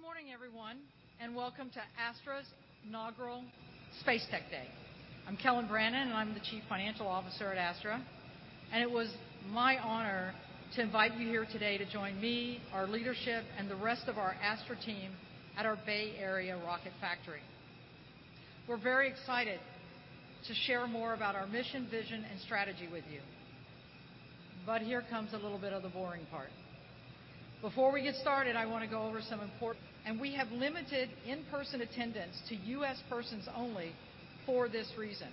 Good morning, everyone, and welcome to Astra's inaugural Space Tech Day. I'm Kelyn Brannon, and I'm the Chief Financial Officer at Astra, and it was my honor to invite you here today to join me, our leadership, and the rest of our Astra team at our Bay Area rocket factory. We're very excited to share more about our mission, vision, and strategy with you. Here comes a little bit of the boring part. Before we get started, I wanna go over some important. We have limited in-person attendance to U.S. persons only for this reason.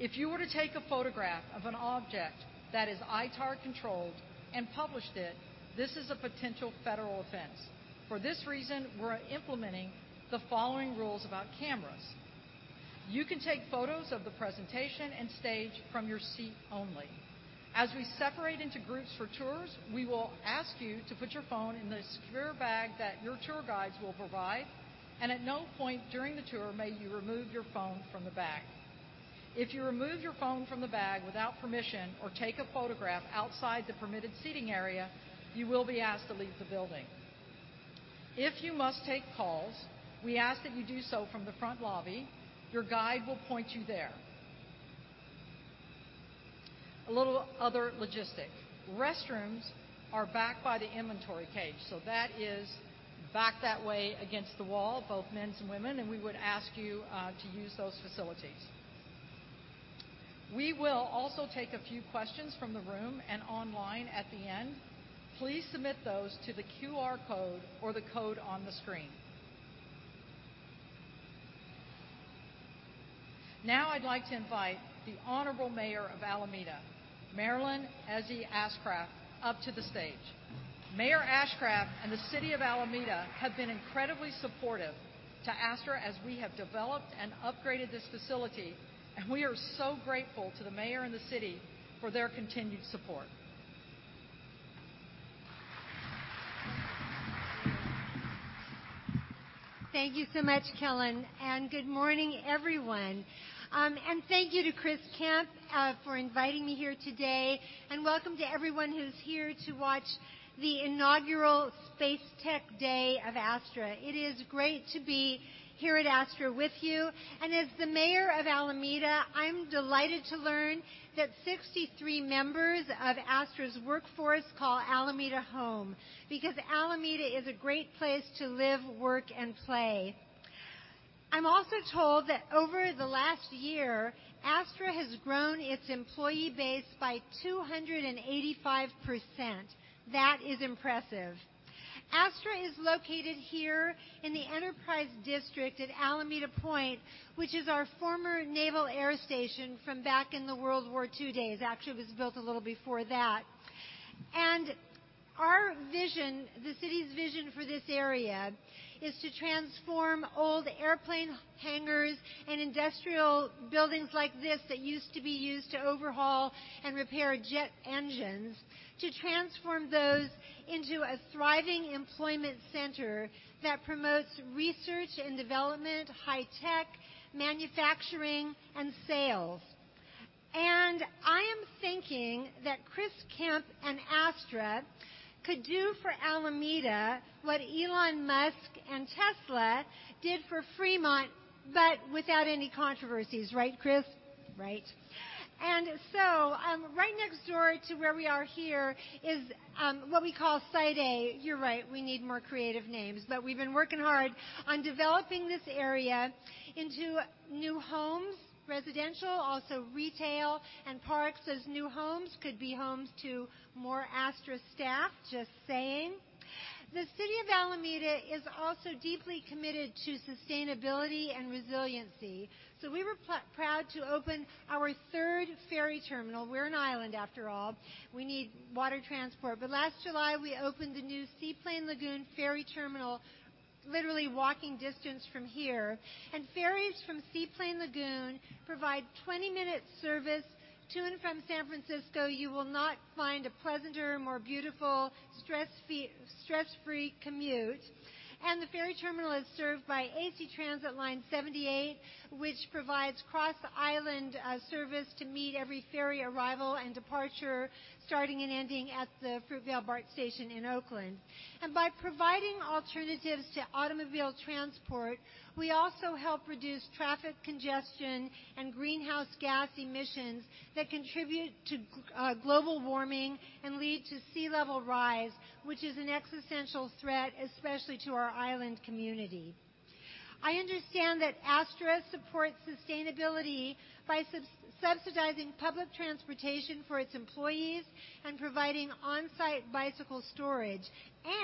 If you were to take a photograph of an object that is ITAR controlled and published it, this is a potential federal offense. For this reason, we're implementing the following rules about cameras. You can take photos of the presentation and stage from your seat only. As we separate into groups for tours, we will ask you to put your phone in the secure bag that your tour guides will provide, and at no point during the tour may you remove your phone from the bag. If you remove your phone from the bag without permission or take a photograph outside the permitted seating area, you will be asked to leave the building. If you must take calls, we ask that you do so from the front lobby. Your guide will point you there. A little other logistics. Restrooms are back by the inventory cage. That is back that way against the wall, both men's and women's, and we would ask you to use those facilities. We will also take a few questions from the room and online at the end. Please submit those to the QR code or the code on the screen. Now I'd like to invite the Honorable Mayor of Alameda, Marilyn Ezzy Ashcraft, up to the stage. Mayor Ashcraft and the City of Alameda have been incredibly supportive to Astra as we have developed and upgraded this facility, and we are so grateful to the mayor and the city for their continued support. Thank you so much, Kelyn, and good morning, everyone. Thank you to Chris Kemp for inviting me here today, and welcome to everyone who's here to watch the inaugural Space Tech Day of Astra. It is great to be here at Astra with you. As the Mayor of Alameda, I'm delighted to learn that 63 members of Astra's workforce call Alameda home because Alameda is a great place to live, work, and play. I'm also told that over the last year, Astra has grown its employee base by 285%. That is impressive. Astra is located here in the Enterprise District at Alameda Point, which is our former naval air station from back in the World War II days. Actually, it was built a little before that. Our vision, the city's vision for this area, is to transform old airplane hangars and industrial buildings like this that used to be used to overhaul and repair jet engines, to transform those into a thriving employment center that promotes research and development, high tech, manufacturing, and sales. I am thinking that Chris Kemp and Astra could do for Alameda what Elon Musk and Tesla did for Fremont, but without any controversies. Right, Chris? Right. Right next door to where we are here is what we call Site A. You're right, we need more creative names. We've been working hard on developing this area into new homes, residential, also retail and parks. Those new homes could be homes to more Astra staff, just saying. The City of Alameda is also deeply committed to sustainability and resiliency, so we were proud to open our third ferry terminal. We're an island, after all. We need water transport. Last July, we opened the new Seaplane Lagoon Ferry Terminal literally walking distance from here. Ferries from Seaplane Lagoon provide 20-minute service to and from San Francisco. You will not find a pleasanter, more beautiful, stress-free commute. The ferry terminal is served by AC Transit line 78, which provides cross-island service to meet every ferry arrival and departure, starting and ending at the Fruitvale BART station in Oakland. By providing alternatives to automobile transport, we also help reduce traffic congestion and greenhouse gas emissions that contribute to global warming and lead to sea level rise, which is an existential threat, especially to our island community. I understand that Astra supports sustainability by subsidizing public transportation for its employees and providing on-site bicycle storage,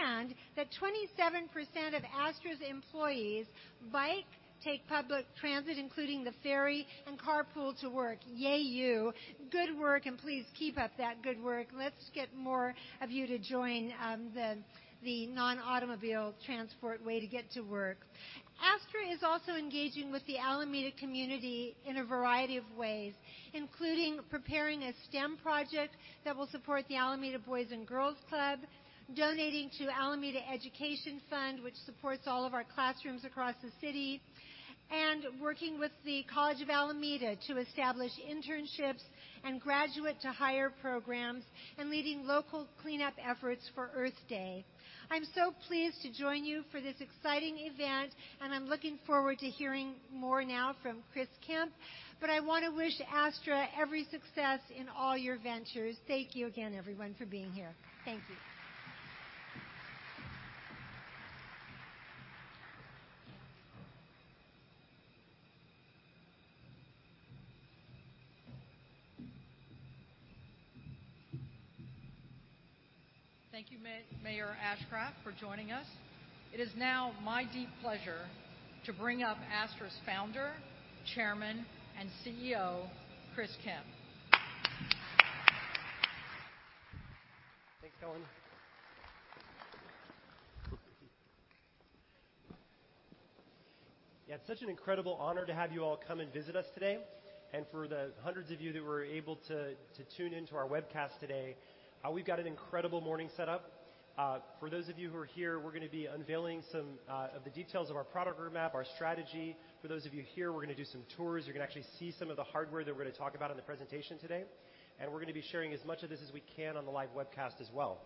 and that 27% of Astra's employees bike, take public transit, including the ferry, and carpool to work. Yay, you. Good work, and please keep up that good work. Let's get more of you to join the non-automobile transport way to get to work. Astra is also engaging with the Alameda community in a variety of ways, including preparing a STEM project that will support the Alameda Boys & Girls Club, donating to Alameda Education Foundation, which supports all of our classrooms across the city. Working with the College of Alameda to establish internships and graduate to hire programs and leading local cleanup efforts for Earth Day. I'm so pleased to join you for this exciting event, and I'm looking forward to hearing more now from Chris Kemp. I wanna wish Astra every success in all your ventures. Thank you again, everyone, for being here. Thank you. Thank you, Mayor Ashcraft, for joining us. It is now my deep pleasure to bring up Astra's founder, chairman, and CEO, Chris Kemp. Thanks, Kelyn. Yeah, it's such an incredible honor to have you all come and visit us today. For the hundreds of you that were able to to tune into our webcast today, we've got an incredible morning set up. For those of you who are here, we're gonna be unveiling some of the details of our product roadmap, our strategy. For those of you here, we're gonna do some tours. You're gonna actually see some of the hardware that we're gonna talk about in the presentation today. We're gonna be sharing as much of this as we can on the live webcast as well.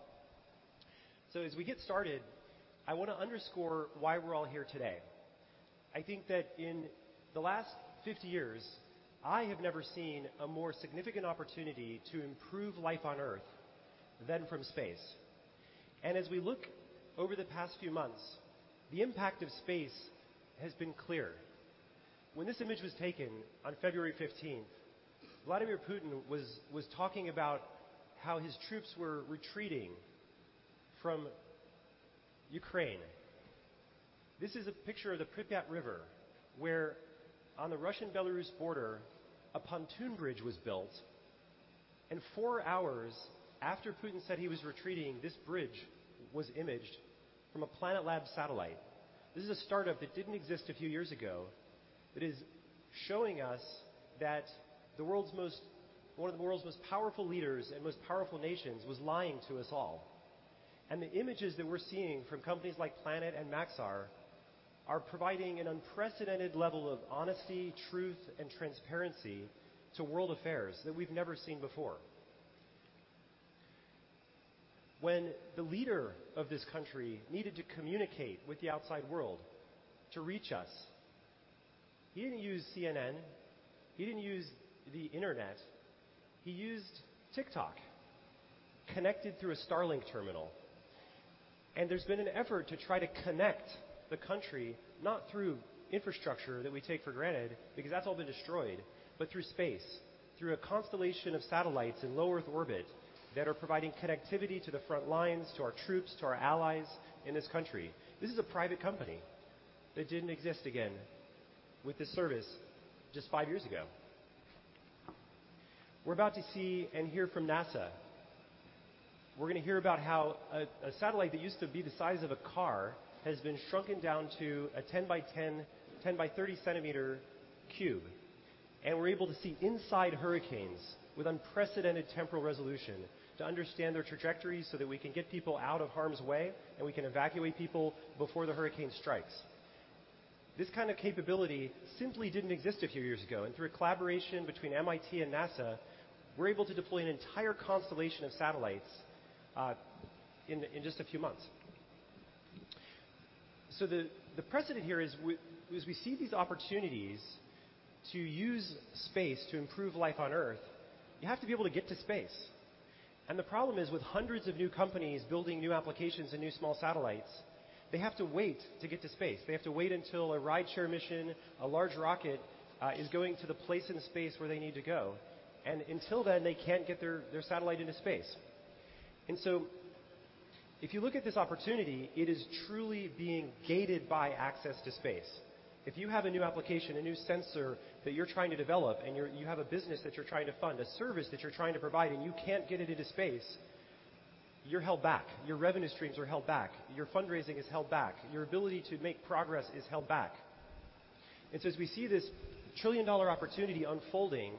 As we get started, I wanna underscore why we're all here today. I think that in the last 50 years, I have never seen a more significant opportunity to improve life on Earth than from space. As we look over the past few months, the impact of space has been clear. When this image was taken on February 15th, Vladimir Putin was talking about how his troops were retreating from Ukraine. This is a picture of the Pripyat River, where on the Russian-Belarus border, a pontoon bridge was built, and four hours after Putin said he was retreating, this bridge was imaged from a Planet Labs satellite. This is a startup that didn't exist a few years ago, that is showing us that one of the world's most powerful leaders and most powerful nations was lying to us all. The images that we're seeing from companies like Planet and Maxar are providing an unprecedented level of honesty, truth, and transparency to world affairs that we've never seen before. When the leader of this country needed to communicate with the outside world to reach us, he didn't use CNN, he didn't use the internet, he used TikTok, connected through a Starlink terminal. There's been an effort to try to connect the country not through infrastructure that we take for granted, because that's all been destroyed, but through space, through a constellation of satellites in low Earth orbit that are providing connectivity to the front lines, to our troops, to our allies in this country. This is a private company that didn't exist again with this service just five years ago. We're about to see and hear from NASA. We're gonna hear about how a satellite that used to be the size of a car has been shrunken down to a 10 by 10 by 30 centimeter cube. We're able to see inside hurricanes with unprecedented temporal resolution to understand their trajectories so that we can get people out of harm's way, and we can evacuate people before the hurricane strikes. This kind of capability simply didn't exist a few years ago. Through a collaboration between MIT and NASA, we're able to deploy an entire constellation of satellites in just a few months. The precedent here is as we see these opportunities to use space to improve life on Earth, you have to be able to get to space. The problem is, with hundreds of new companies building new applications and new small satellites, they have to wait to get to space. They have to wait until a rideshare mission, a large rocket is going to the place in space where they need to go. Until then, they can't get their satellite into space. If you look at this opportunity, it is truly being gated by access to space. If you have a new application, a new sensor that you're trying to develop, and you have a business that you're trying to fund, a service that you're trying to provide, and you can't get it into space, you're held back. Your revenue streams are held back. Your fundraising is held back. Your ability to make progress is held back. As we see this trillion-dollar opportunity unfolding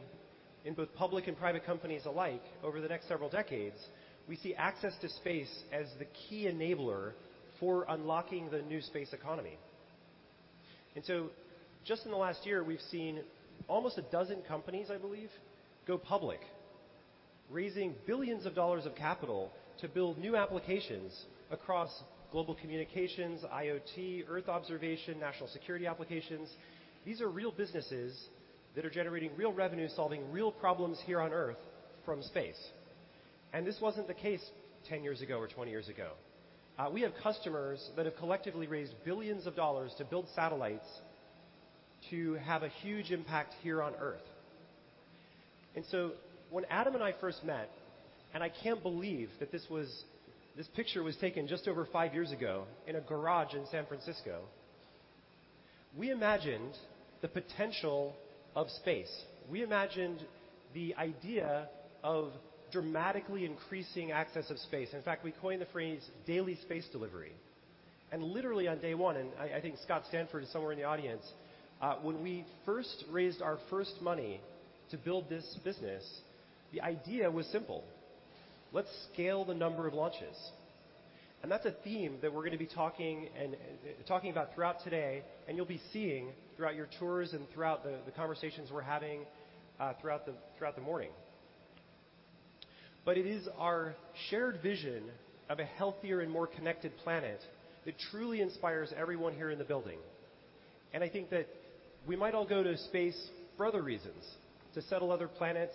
in both public and private companies alike over the next several decades, we see access to space as the key enabler for unlocking the new space economy. Just in the last year, we've seen almost a dozen companies, I believe, go public, raising billions dollars of capital to build new applications across global communications, IoT, Earth observation, national security applications. These are real businesses that are generating real revenue, solving real problems here on Earth from space. This wasn't the case 10 years ago or 20 years ago. We have customers that have collectively raised billions dollars to build satellites to have a huge impact here on Earth. When Adam and I first met, I can't believe this picture was taken just over five years ago in a garage in San Francisco. We imagined the potential of space. We imagined the idea of dramatically increasing access to space. In fact, we coined the phrase daily space delivery. Literally on day one, I think Scott Stanford is somewhere in the audience, when we first raised our first money to build this business, the idea was simple: Let's scale the number of launches. That's a theme that we're gonna be talking about throughout today, and you'll be seeing throughout your tours and throughout the conversations we're having, throughout the morning. It is our shared vision of a healthier and more connected planet that truly inspires everyone here in the building. I think that we might all go to space for other reasons, to settle other planets,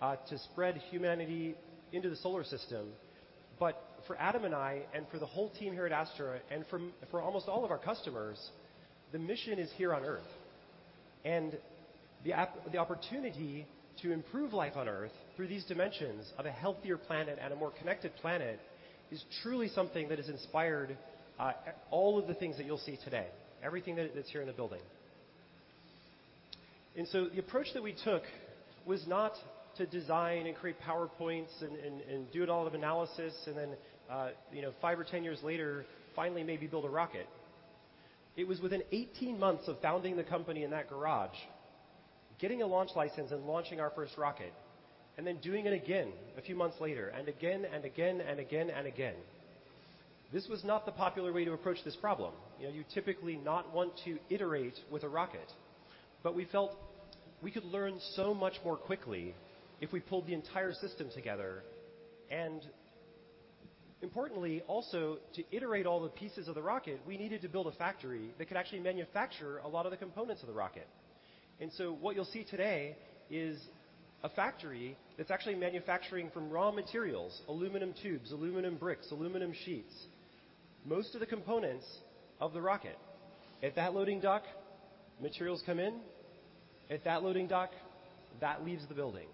to spread humanity into the solar system. For Adam and I, and for the whole team here at Astra, and for almost all of our customers, the mission is here on Earth. The opportunity to improve life on Earth through these dimensions of a healthier planet and a more connected planet is truly something that has inspired all of the things that you'll see today, everything that's here in the building. The approach that we took was not to design and create PowerPoints and do it all of analysis and then, you know, five or 10 years later, finally maybe build a rocket. It was within 18 months of founding the company in that garage, getting a launch license and launching our first rocket, and then doing it again a few months later, and again and again and again and again. This was not the popular way to approach this problem. You know, you typically not want to iterate with a rocket. We felt we could learn so much more quickly if we pulled the entire system together. Importantly, also, to iterate all the pieces of the rocket, we needed to build a factory that could actually manufacture a lot of the components of the rocket. What you'll see today is a factory that's actually manufacturing from raw materials, aluminum tubes, aluminum bricks, aluminum sheets, most of the components of the rocket. At that loading dock, materials come in. At that loading dock, that leaves the building.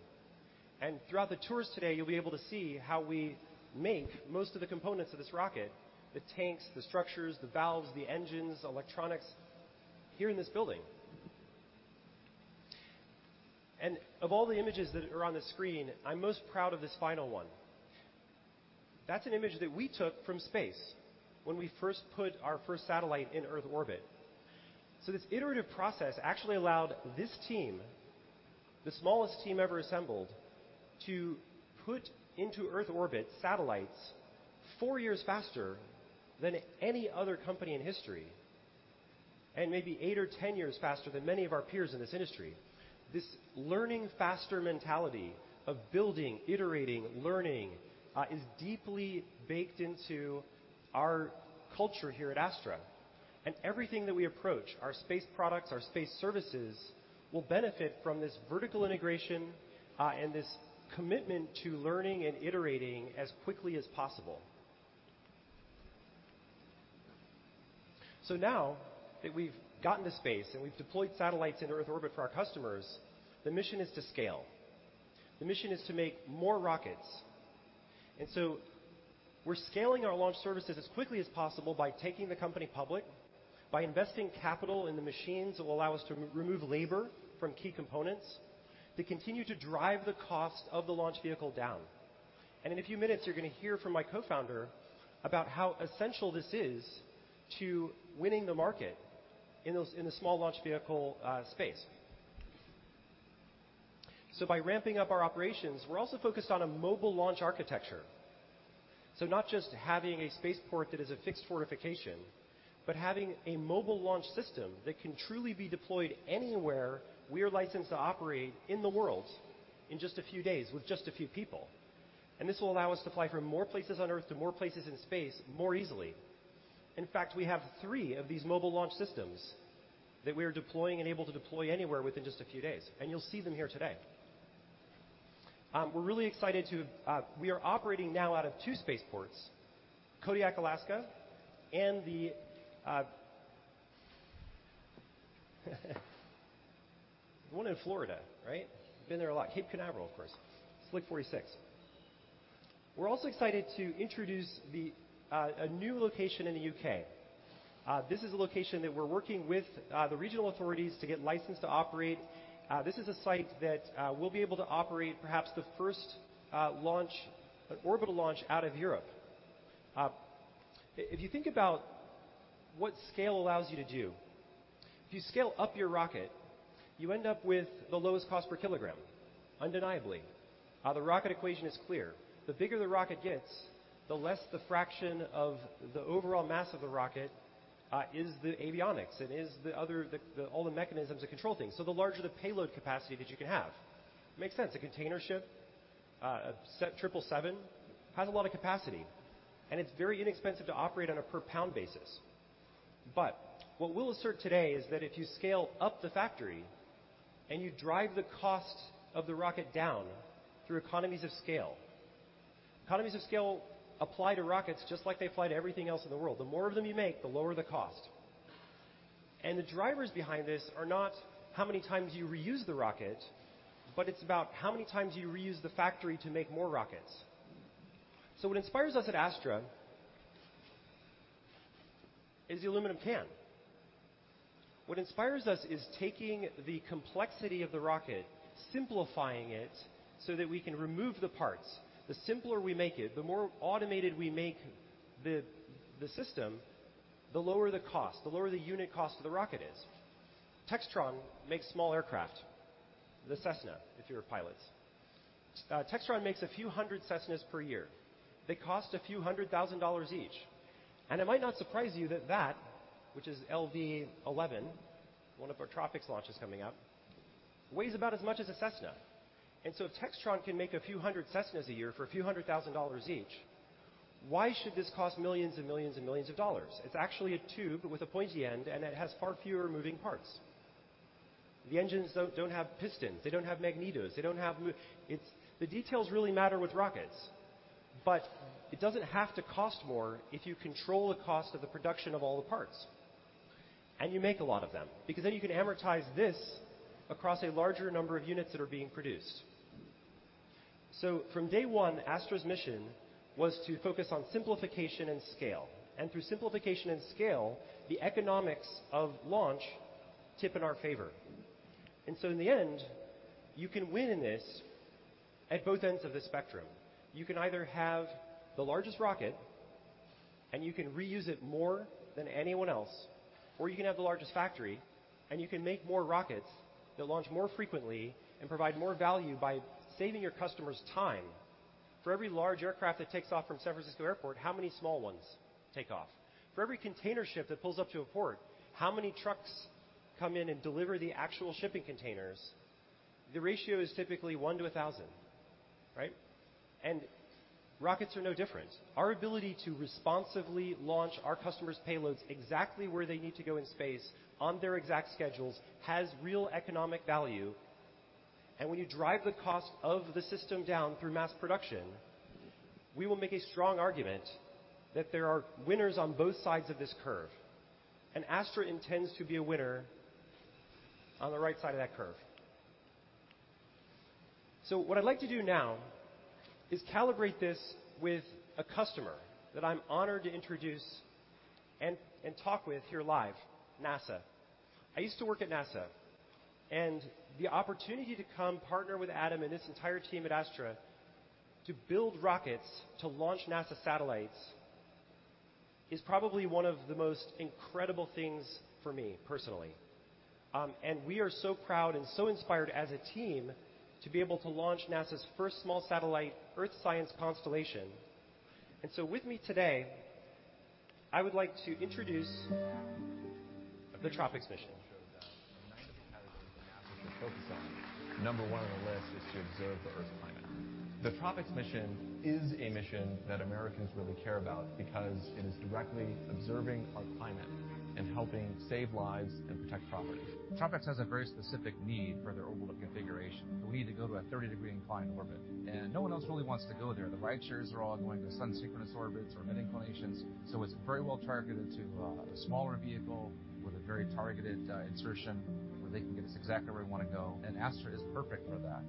Throughout the tours today, you'll be able to see how we make most of the components of this rocket, the tanks, the structures, the valves, the engines, electronics, here in this building. Of all the images that are on the screen, I'm most proud of this final one. That's an image that we took from space when we first put our first satellite in Earth orbit. This iterative process actually allowed this team, the smallest team ever assembled, to put into Earth orbit satellites four years faster than any other company in history, and maybe eight or 10 years faster than many of our peers in this industry. This learning faster mentality of building, iterating, learning, is deeply baked into our culture here at Astra. Everything that we approach, our space products, our space services, will benefit from this vertical integration, and this commitment to learning and iterating as quickly as possible. Now that we've gotten to space and we've deployed satellites in Earth orbit for our customers, the mission is to scale. The mission is to make more rockets. We're scaling our launch services as quickly as possible by taking the company public, by investing capital in the machines that will allow us to remove labor from key components that continue to drive the cost of the launch vehicle down. In a few minutes, you're gonna hear from my co-founder about how essential this is to winning the market in those in the small launch vehicle space. By ramping up our operations, we're also focused on a mobile launch architecture. Not just having a spaceport that is a fixed fortification, but having a mobile launch system that can truly be deployed anywhere we are licensed to operate in the world in just a few days with just a few people. This will allow us to fly from more places on Earth to more places in space more easily. In fact, we have three of these mobile launch systems that we are deploying and able to deploy anywhere within just a few days, and you'll see them here today. We're really excited. We are operating now out of two spaceports, Kodiak, Alaska, and the one in Florida, right? Been there a lot. Cape Canaveral, of course. SLC-46. We're also excited to introduce a new location in the U.K. This is a location that we're working with the regional authorities to get licensed to operate. This is a site that we'll be able to operate perhaps the first orbital launch out of Europe. If you think about what scale allows you to do, if you scale up your rocket, you end up with the lowest cost per kilogram, undeniably. The rocket equation is clear. The bigger the rocket gets, the less the fraction of the overall mass of the rocket is the avionics and is the other, the all the mechanisms that control things, so the larger the payload capacity that you can have. Makes sense. A container ship, a Triple Seven has a lot of capacity, and it's very inexpensive to operate on a per pound basis. But what we'll assert today is that if you scale up the factory and you drive the cost of the rocket down through economies of scale, economies of scale apply to rockets just like they apply to everything else in the world. The more of them you make, the lower the cost. The drivers behind this are not how many times you reuse the rocket, but it's about how many times you reuse the factory to make more rockets. What inspires us at Astra is the aluminum can. What inspires us is taking the complexity of the rocket, simplifying it, so that we can remove the parts. The simpler we make it, the more automated we make the system, the lower the cost, the lower the unit cost of the rocket is. Textron makes small aircraft, the Cessna, if you're a pilot. Textron makes a few hundred Cessnas per year. They cost a few $100 thousand each. It might not surprise you that, which is LV-11, one of our TROPICS launches coming up, weighs about as much as a Cessna. If Textron can make a few hundred Cessnas a year for a few $100 thousand each, why should this cost millions and millions and millions of dollars? It's actually a tube with a pointy end, and it has far fewer moving parts. The engines don't have pistons. They don't have magnetos. The details really matter with rockets, but it doesn't have to cost more if you control the cost of the production of all the parts, and you make a lot of them. Because then you can amortize this across a larger number of units that are being produced. From day one, Astra's mission was to focus on simplification and scale, and through simplification and scale, the economics of launch tip in our favor. In the end, you can win in this at both ends of the spectrum. You can either have the largest rocket, and you can reuse it more than anyone else, or you can have the largest factory, and you can make more rockets that launch more frequently and provide more value by saving your customers time. For every large aircraft that takes off from San Francisco Airport, how many small ones take off? For every container ship that pulls up to a port, how many trucks come in and deliver the actual shipping containers? The ratio is typically 1 to 1,000, right? Rockets are no different. Our ability to responsively launch our customers' payloads exactly where they need to go in space on their exact schedules has real economic value. When you drive the cost of the system down through mass production, we will make a strong argument that there are winners on both sides of this curve. Astra intends to be a winner on the right side of that curve. What I'd like to do now is calibrate this with a customer that I'm honored to introduce and talk with here live, NASA. I used to work at NASA, and the opportunity to come partner with Adam and this entire team at Astra to build rockets to launch NASA satellites is probably one of the most incredible things for me personally. We are so proud and so inspired as a team to be able to launch NASA's first small satellite, Earth Science Constellation. With me today, I would like to introduce the TROPICS mission. The TROPICS mission is a mission that Americans really care about because it is directly observing our climate and helping save lives and protect property. TROPICS has a very specific need for their orbital configuration. We need to go to a 30-degree inclination orbit, and no one else really wants to go there. The rideshares are all going to Sun-synchronous orbits or mid-inclinations, so it's very well targeted to a smaller vehicle with a very targeted insertion where they can get us exactly where we wanna go, and Astra is perfect for that.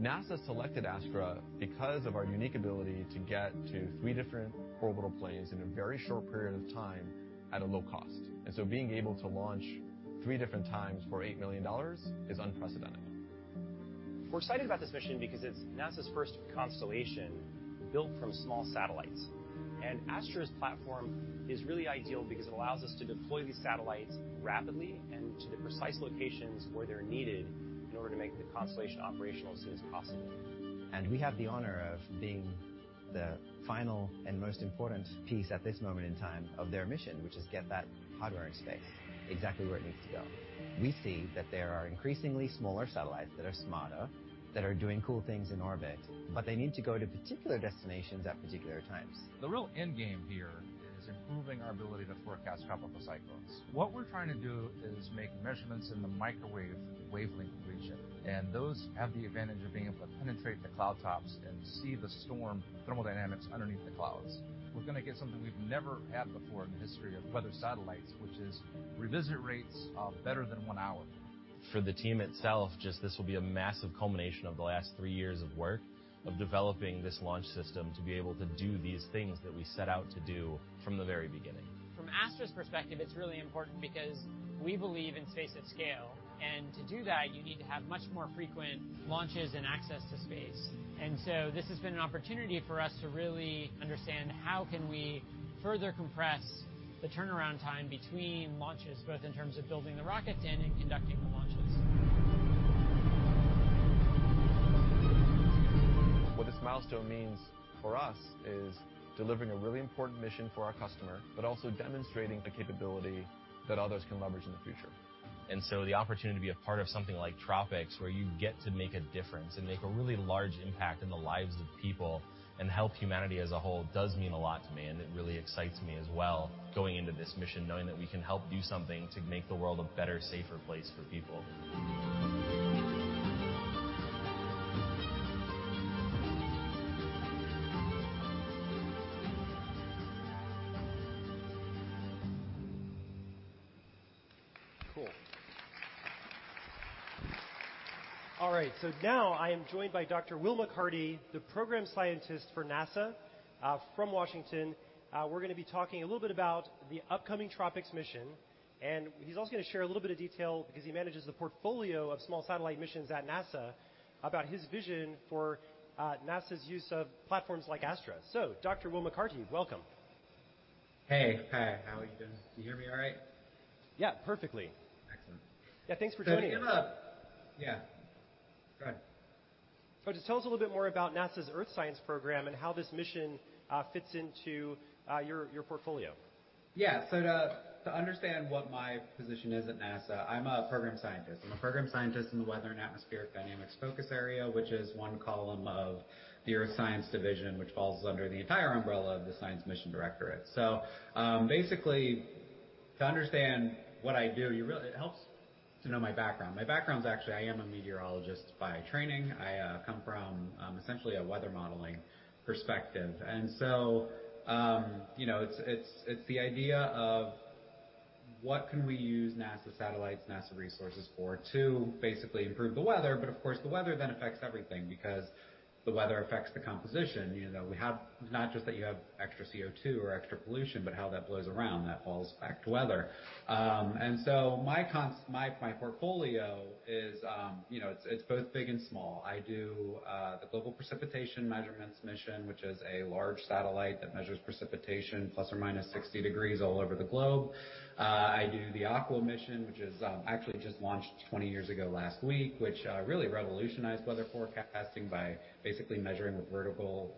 NASA selected Astra because of our unique ability to get to three different orbital planes in a very short period of time at a low cost. Being able to launch three different times for $8 million is unprecedented. We're excited about this mission because it's NASA's first constellation built from small satellites. Astra's platform is really ideal because it allows us to deploy these satellites rapidly and to the precise locations where they're needed in order to make the constellation operational as soon as possible. We have the honor of being the final and most important piece at this moment in time of their mission, which is get that hardware in space exactly where it needs to go. We see that there are increasingly smaller satellites that are smarter, that are doing cool things in orbit, but they need to go to particular destinations at particular times. The real end game here is improving our ability to forecast tropical cyclones. What we're trying to do is make measurements in the microwave wavelength region, and those have the advantage of being able to penetrate the cloud tops and see the storm thermodynamics underneath the clouds. We're gonna get something we've never had before in the history of weather satellites, which is revisit rates better than one hour. For the team itself, just this will be a massive culmination of the last three years of work of developing this launch system to be able to do these things that we set out to do from the very beginning. From Astra's perspective, it's really important because we believe in space at scale, and to do that, you need to have much more frequent launches and access to space. This has been an opportunity for us to really understand how can we further compress the turnaround time between launches, both in terms of building the rockets and in conducting the launches. What this milestone means for us is delivering a really important mission for our customer, but also demonstrating the capability that others can leverage in the future. The opportunity to be a part of something like TROPICS, where you get to make a difference and make a really large impact in the lives of people and help humanity as a whole, does mean a lot to me, and it really excites me as well, going into this mission knowing that we can help do something to make the world a better, safer place for people. Cool. All right, now I am joined by Dr. Will McCarty, the program scientist for NASA, from Washington. We're gonna be talking a little bit about the upcoming TROPICS mission, and he's also gonna share a little bit of detail, because he manages the portfolio of small satellite missions at NASA, about his vision for NASA's use of platforms like Astra. Dr. Will McCarty, welcome. Hey. Hi, how are you doing? Can you hear me all right? Yeah, perfectly. Excellent. Yeah, thanks for joining. Yeah. Go ahead. Just tell us a little bit more about NASA's Earth science program and how this mission fits into your portfolio. Yeah. To understand what my position is at NASA, I'm a program scientist. I'm a program scientist in the weather and atmospheric dynamics focus area, which is one column of the Earth Science Division, which falls under the entire umbrella of the Science Mission Directorate. Basically to understand what I do, it helps to know my background. My background is actually, I am a meteorologist by training. I come from essentially a weather modeling perspective. You know, it's the idea of what can we use NASA satellites, NASA resources for to basically improve the weather. Of course, the weather then affects everything because the weather affects the composition. You know, not just that you have extra CO2 or extra pollution, but how that blows around, that falls back to weather. My portfolio is, you know, it's both big and small. I do the Global Precipitation Measurement mission, which is a large satellite that measures precipitation ±60 degrees all over the globe. I do the Aqua mission, which is, actually just launched 20 years ago last week, which really revolutionized weather forecasting by basically measuring the vertical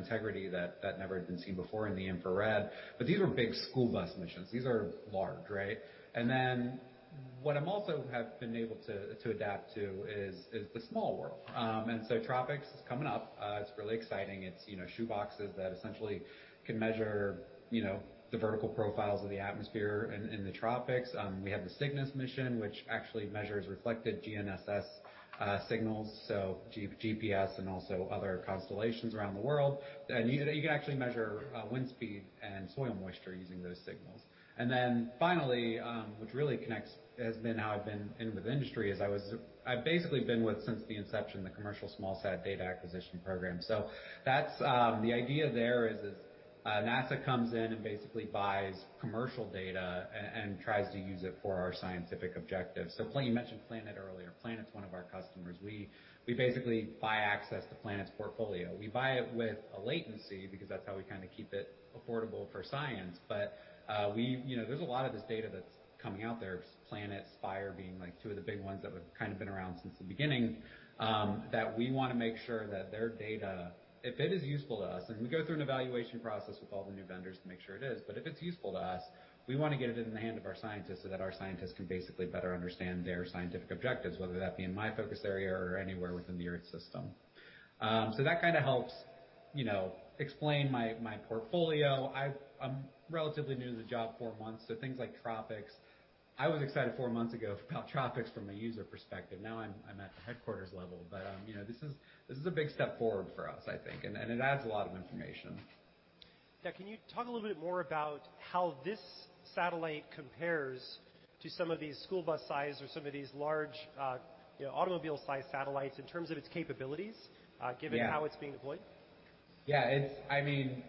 integrity that never had been seen before in the infrared. But these are big school bus missions. These are large, right? What I'm also have been able to adapt to is the small world. TROPICS is coming up. It's really exciting. It's, you know, shoeboxes that essentially can measure, you know, the vertical profiles of the atmosphere in the tropics. We have the CYGNSS mission, which actually measures reflected GNSS signals, so GPS and also other constellations around the world. You can actually measure wind speed and soil moisture using those signals. Then finally, which really connects, has been how I've been in with industry, is I've basically been with since the inception, the Commercial Satellite Data Acquisition program. That's the idea there is, NASA comes in and basically buys commercial data and tries to use it for our scientific objectives. You mentioned Planet earlier. Planet's one of our customers. We basically buy access to Planet's portfolio. We buy it with a latency because that's how we kinda keep it affordable for science. we, you know, there's a lot of this data that's coming out there, Planet, Spire being like two of the big ones that have kind of been around since the beginning, that we wanna make sure that their data, if it is useful to us, and we go through an evaluation process with all the new vendors to make sure it is. But if it's useful to us, we wanna get it in the hand of our scientists so that our scientists can basically better understand their scientific objectives, whether that be in my focus area or anywhere within the Earth system. So that kinda helps, you know, explain my portfolio. I'm relatively new to the job, four months, so things like TROPICS. I was excited four months ago about TROPICS from a user perspective. Now I'm at the headquarters level. You know, this is a big step forward for us, I think, and it adds a lot of information. Yeah. Can you talk a little bit more about how this satellite compares to some of these school bus size or some of these large, you know, automobile size satellites in terms of its capabilities? Yeah. How it's being deployed? Yeah, I mean,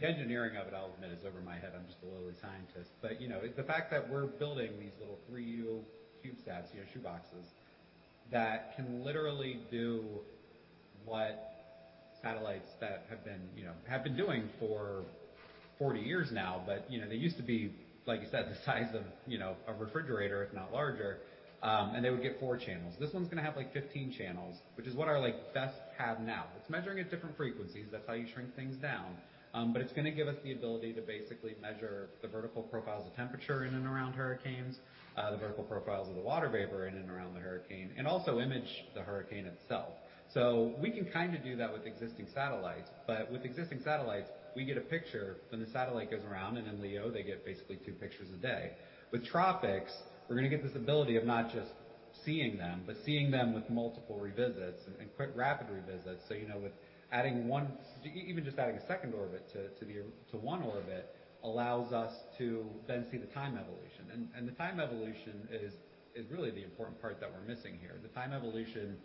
the engineering of it, I'll admit, is over my head. I'm just a lowly scientist. You know, the fact that we're building these little three-year CubeSats, you know, shoeboxes that can literally do what satellites that have been, you know, doing for 40 years now. You know, they used to be, like you said, the size of, you know, a refrigerator, if not larger, and they would get four channels. This one's gonna have like 15 channels, which is what our, like, best have now. It's measuring at different frequencies. That's how you shrink things down. It's gonna give us the ability to basically measure the vertical profiles of temperature in and around hurricanes, the vertical profiles of the water vapor in and around the hurricane, and also image the hurricane itself. We can kinda do that with existing satellites, but with existing satellites, we get a picture when the satellite goes around, and in LEO, they get basically two pictures a day. With TROPICS, we're gonna get this ability of not just seeing them, but seeing them with multiple revisits and quick rapid revisits. You know, with adding one, even just adding a second orbit to one orbit allows us to then see the time evolution. The time evolution is really the important part that we're missing here. The time evolution,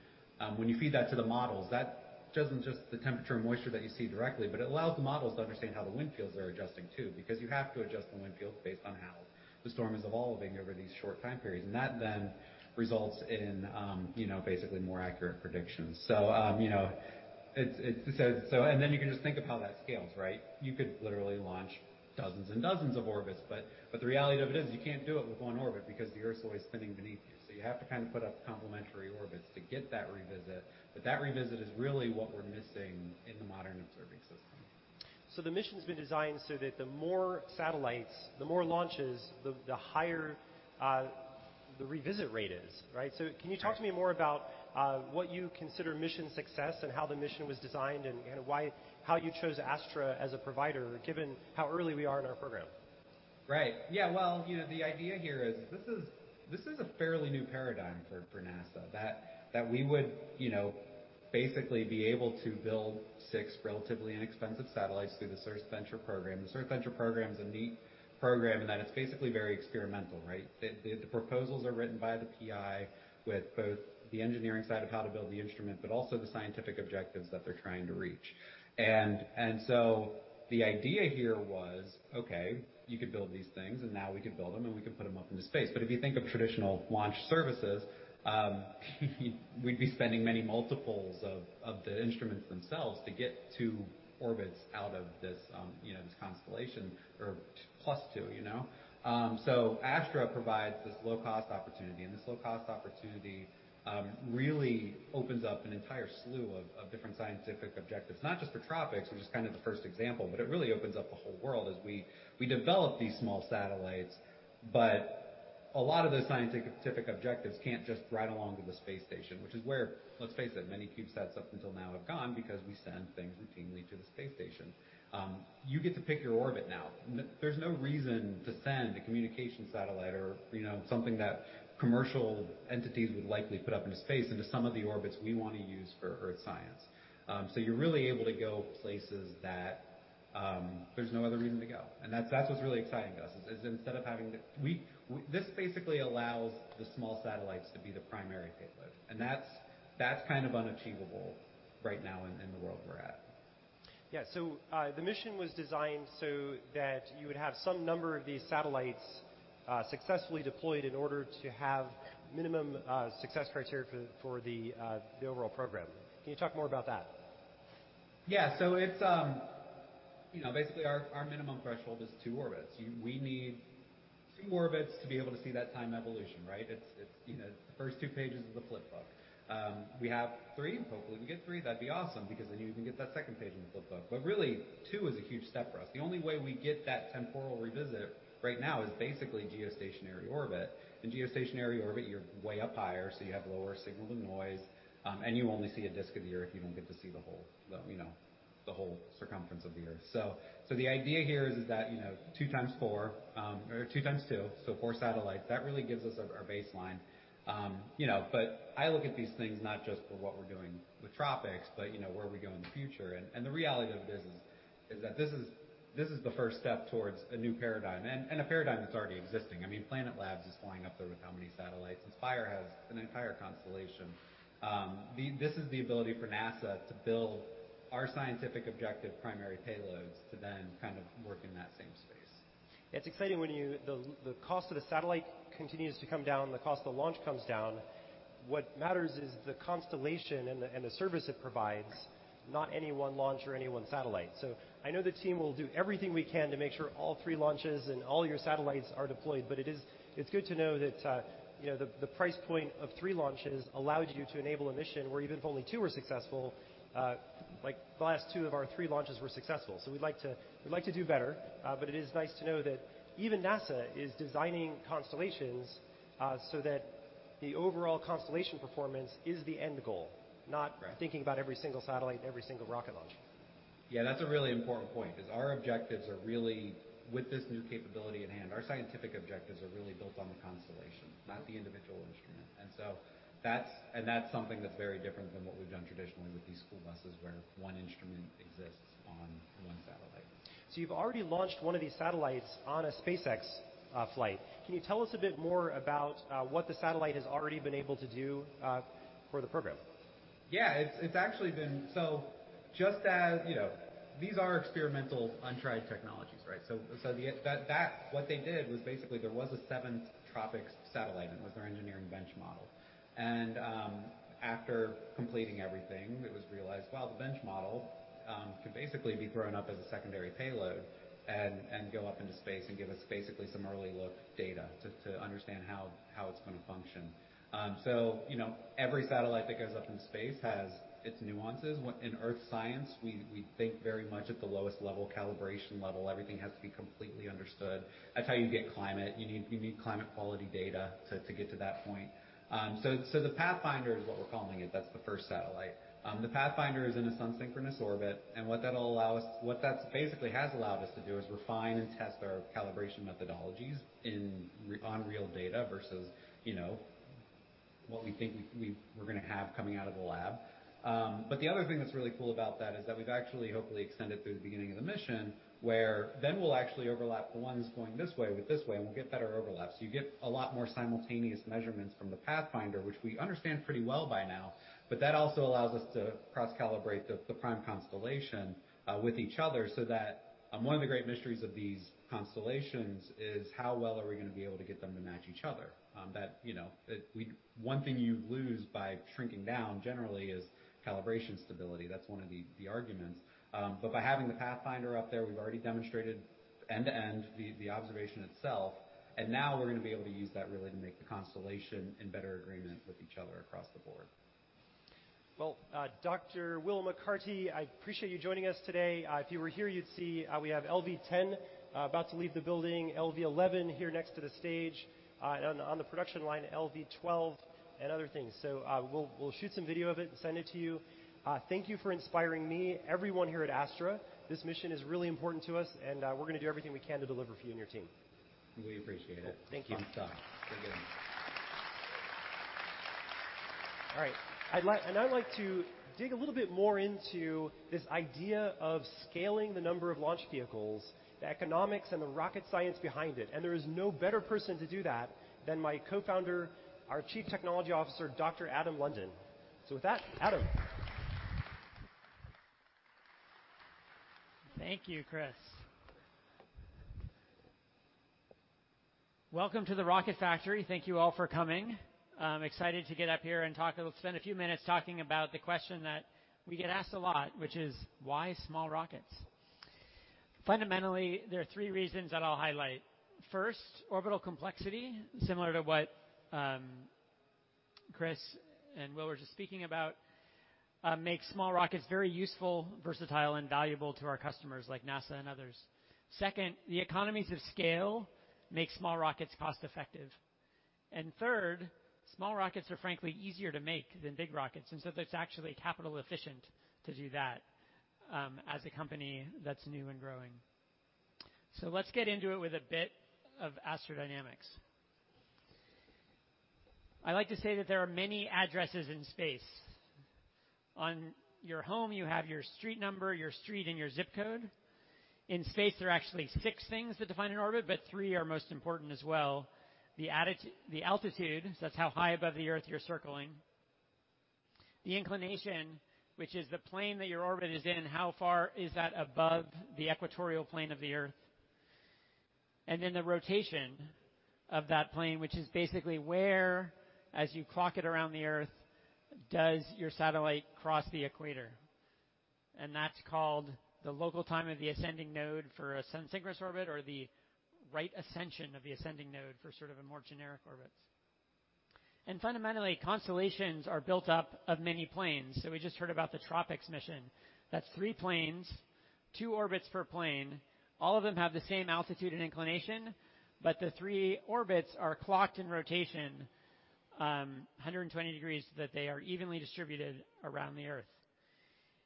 when you feed that to the models, that doesn't just the temperature and moisture that you see directly, but it allows the models to understand how the wind fields are adjusting, too. Because you have to adjust the wind fields based on how the storm is evolving over these short time periods. That then results in, you know, basically more accurate predictions. You know, it's. You can just think of how that scales, right? You could literally launch dozens and dozens of orbits, but the reality of it is you can't do it with one orbit because the Earth's always spinning beneath you. You have to kind of put up complementary orbits to get that revisit, but that revisit is really what we're missing in the modern observing system. The mission's been designed so that the more satellites, the more launches, the higher the revisit rate is, right? Right. Can you talk to me more about what you consider mission success and how the mission was designed and how you chose Astra as a provider, given how early we are in our program? Right. Yeah, well, you know, the idea here is this is a fairly new paradigm for NASA, that we would, you know, basically be able to build six relatively inexpensive satellites through the Earth Venture Instrument program. The Earth Venture Instrument program is a neat program in that it's basically very experimental, right? The proposals are written by the PI with both the engineering side of how to build the instrument, but also the scientific objectives that they're trying to reach. The idea here was, okay, you could build these things, and now we can build them, and we can put them up into space. If you think of traditional launch services, we'd be spending many multiples of the instruments themselves to get two orbits out of this, you know, this constellation or +2, you know. Astra provides this low cost opportunity, and this low cost opportunity really opens up an entire slew of different scientific objectives, not just for TROPICS, which is kind of the first example. It really opens up a whole world as we develop these small satellites. A lot of the scientific objectives can't just ride along to the space station, which is where, let's face it, many CubeSats up until now have gone because we send things routinely to the space station. You get to pick your orbit now. There's no reason to send a communication satellite or, you know, something that commercial entities would likely put up into space into some of the orbits we wanna use for earth science. You're really able to go places that there's no other reason to go. That's what's really exciting to us. This basically allows the small satellites to be the primary payload, and that's kind of unachievable right now in the world we're at. The mission was designed so that you would have some number of these satellites successfully deployed in order to have minimum success criteria for the overall program. Can you talk more about that? Yeah. It's, you know, basically our minimum threshold is two orbits. We need two orbits to be able to see that time evolution, right? It's, you know, the first 2 pages of the flip book. We have three. Hopefully we get three. That'd be awesome because then you can get that second page in the flip book. Really, two is a huge step for us. The only way we get that temporal revisit right now is basically geostationary orbit. In geostationary orbit, you're way up higher, so you have lower signal to noise, and you only see a disc of the Earth. You don't get to see the whole, you know, the whole circumference of the Earth. The idea here is that, you know, two times four or two times two, so four satellites, that really gives us our baseline. You know, I look at these things not just for what we're doing with TROPICS, but, you know, where are we going in the future. The reality of it is that this is the first step towards a new paradigm and a paradigm that's already existing. I mean, Planet Labs is flying up there with how many satellites? Spire has an entire constellation. This is the ability for NASA to build our scientific objective primary payloads to then kind of work in that same space. It's exciting when the cost of the satellite continues to come down, the cost of launch comes down. What matters is the constellation and the service it provides, not any one launch or any one satellite. I know the team will do everything we can to make sure all three launches and all your satellites are deployed. It's good to know that, you know, the price point of three launches allowed you to enable a mission where even if only two were successful, like the last two of our three launches were successful. We'd like to do better, but it is nice to know that even NASA is designing constellations, so that the overall constellation performance is the end goal. Right. Not thinking about every single satellite and every single rocket launch. Yeah, that's a really important point, 'cause our objectives are really, with this new capability at hand, our scientific objectives are really built on the constellation, not the individual instrument. That's something that's very different than what we've done traditionally with these school buses, where one instrument exists on one satellite. You've already launched one of these satellites on a SpaceX flight. Can you tell us a bit more about what the satellite has already been able to do for the program? Yeah. It's actually been. Just as, you know, these are experimental untried technologies, right? What they did was basically there was a seventh TROPICS satellite and it was their engineering bench model. After completing everything, it was realized, well, the bench model could basically be grown up as a secondary payload and go up into space and give us basically some early look data to understand how it's gonna function. You know, every satellite that goes up into space has its nuances. In Earth science, we think very much at the lowest level, calibration level. Everything has to be completely understood. That's how you get climate. You need climate quality data to get to that point. The Pathfinder is what we're calling it. That's the first satellite. The Pathfinder is in a sun-synchronous orbit, and what that basically has allowed us to do is refine and test our calibration methodologies on real data versus, you know, what we think we're gonna have coming out of the lab. The other thing that's really cool about that is that we've actually hopefully extended through the beginning of the mission, where then we'll actually overlap the ones going this way with this way, and we'll get better overlap. You get a lot more simultaneous measurements from the Pathfinder, which we understand pretty well by now. That also allows us to cross-calibrate the prime constellation with each other so that. One of the great mysteries of these constellations is how well are we gonna be able to get them to match each other. That, you know, one thing you lose by shrinking down generally is calibration stability. That's one of the arguments. By having the Pathfinder up there, we've already demonstrated end-to-end the observation itself, and now we're gonna be able to use that really to make the constellation in better agreement with each other across the board. Well, Dr. Will McCarty, I appreciate you joining us today. If you were here, you'd see we have LV-10 about to leave the building. LV-11 here next to the stage. On the production line, LV-12 and other things. We'll shoot some video of it and send it to you. Thank you for inspiring me, everyone here at Astra. This mission is really important to us, and we're gonna do everything we can to deliver for you and your team. We appreciate it. Cool. Thank you. Awesome talk. Very good. All right. I'd like to dig a little bit more into this idea of scaling the number of launch vehicles, the economics and the rocket science behind it. There is no better person to do that than my co-founder, our chief technology officer, Dr. Adam London. With that, Adam. Thank you, Chris. Welcome to the Rocket Factory. Thank you all for coming. I'm excited to get up here and talk. Let's spend a few minutes talking about the question that we get asked a lot, which is. Why small rockets? Fundamentally, there are three reasons that I'll highlight. First, orbital complexity, similar to what Chris and Will were just speaking about, make small rockets very useful, versatile, and valuable to our customers like NASA and others. Second, the economies of scale make small rockets cost-effective. Third, small rockets are frankly easier to make than big rockets, and so it's actually capital efficient to do that, as a company that's new and growing. Let's get into it with a bit of astrodynamics. I like to say that there are many addresses in space. On your home, you have your street number, your street, and your ZIP code. In space, there are actually six things that define an orbit, but three are most important as well. The altitude, that's how high above the Earth you're circling. The inclination, which is the plane that your orbit is in, how far is that above the equatorial plane of the Earth? The rotation of that plane, which is basically where, as you clock it around the Earth, does your satellite cross the equator? That's called the local time of the ascending node for a sun-synchronous orbit or the right ascension of the ascending node for sort of a more generic orbits. Fundamentally, constellations are built up of many planes. We just heard about the TROPICS mission. That's three planes, two orbits per plane. All of them have the same altitude and inclination, but the three orbits are clocked in rotation, 120 degrees, so that they are evenly distributed around the Earth.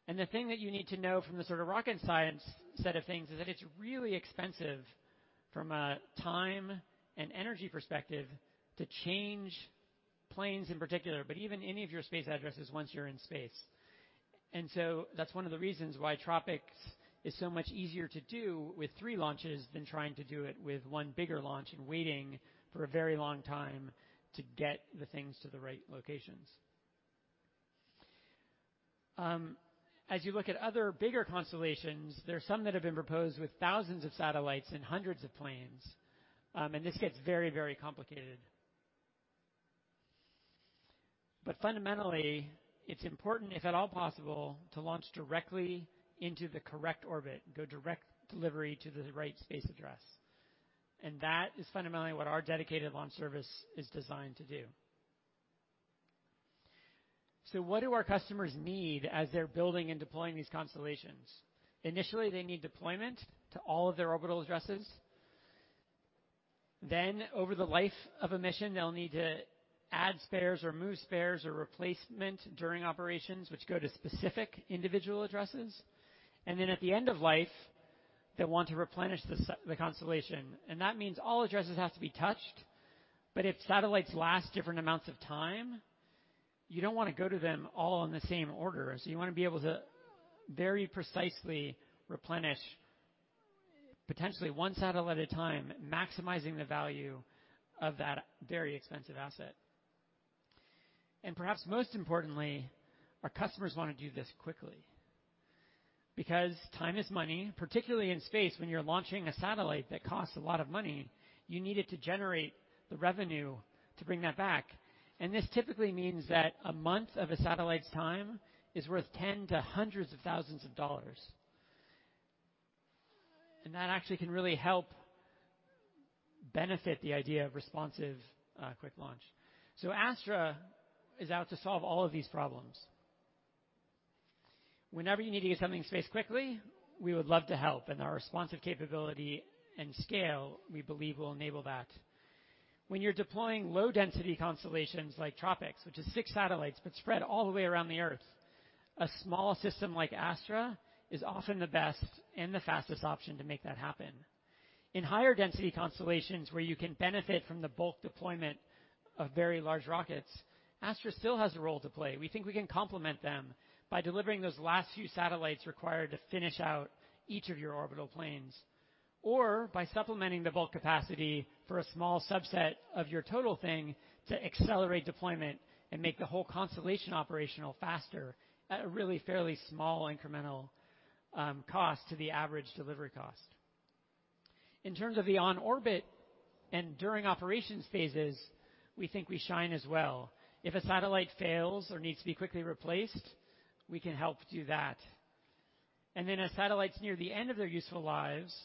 The thing that you need to know from the sort of rocket science set of things is that it's really expensive from a time and energy perspective to change planes in particular, but even any of your space addresses once you're in space. That's one of the reasons why TROPICS is so much easier to do with three launches than trying to do it with one bigger launch and waiting for a very long time to get the things to the right locations. As you look at other bigger constellations, there are some that have been proposed with thousands of satellites and hundreds of planes. This gets very, very complicated. Fundamentally, it's important, if at all possible, to launch directly into the correct orbit, go direct delivery to the right space address. That is fundamentally what our dedicated launch service is designed to do. What do our customers need as they're building and deploying these constellations? Initially, they need deployment to all of their orbital addresses. Over the life of a mission, they'll need to add spares or move spares or replacement during operations, which go to specific individual addresses. At the end of life, they want to replenish the constellation, and that means all addresses have to be touched. If satellites last different amounts of time, you don't wanna go to them all in the same order. You wanna be able to very precisely replenish potentially one satellite at a time, maximizing the value of that very expensive asset. Perhaps most importantly, our customers wanna do this quickly because time is money, particularly in space. When you're launching a satellite that costs a lot of money, you need it to generate the revenue to bring that back. This typically means that a month of a satellite's time is worth 10 to $100s of thousands. That actually can really help benefit the idea of responsive, quick launch. Astra is out to solve all of these problems. Whenever you need to get something to space quickly, we would love to help. Our responsive capability and scale, we believe, will enable that. When you're deploying low-density constellations like TROPICS, which is six satellites but spread all the way around the Earth, a small system like Astra is often the best and the fastest option to make that happen. In higher density constellations, where you can benefit from the bulk deployment of very large rockets, Astra still has a role to play. We think we can complement them by delivering those last few satellites required to finish out each of your orbital planes. By supplementing the bulk capacity for a small subset of your total thing to accelerate deployment and make the whole constellation operational faster at a really fairly small incremental cost to the average delivery cost. In terms of the on-orbit and during operations phases, we think we shine as well. If a satellite fails or needs to be quickly replaced, we can help do that. As satellites near the end of their useful lives,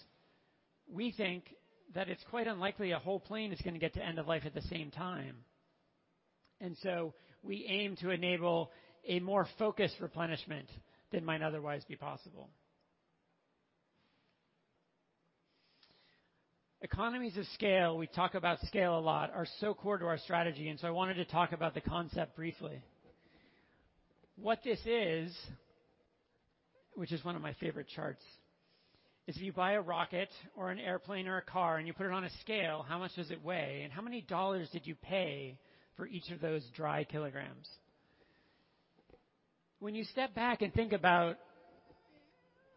we think that it's quite unlikely a whole plane is gonna get to end of life at the same time. We aim to enable a more focused replenishment than might otherwise be possible. Economies of scale, we talk about scale a lot, are so core to our strategy, and so I wanted to talk about the concept briefly. What this is, which is one of my favorite charts, is if you buy a rocket or an airplane or a car and you put it on a scale, how much does it weigh? How many dollars did you pay for each of those dry kilograms? When you step back and think about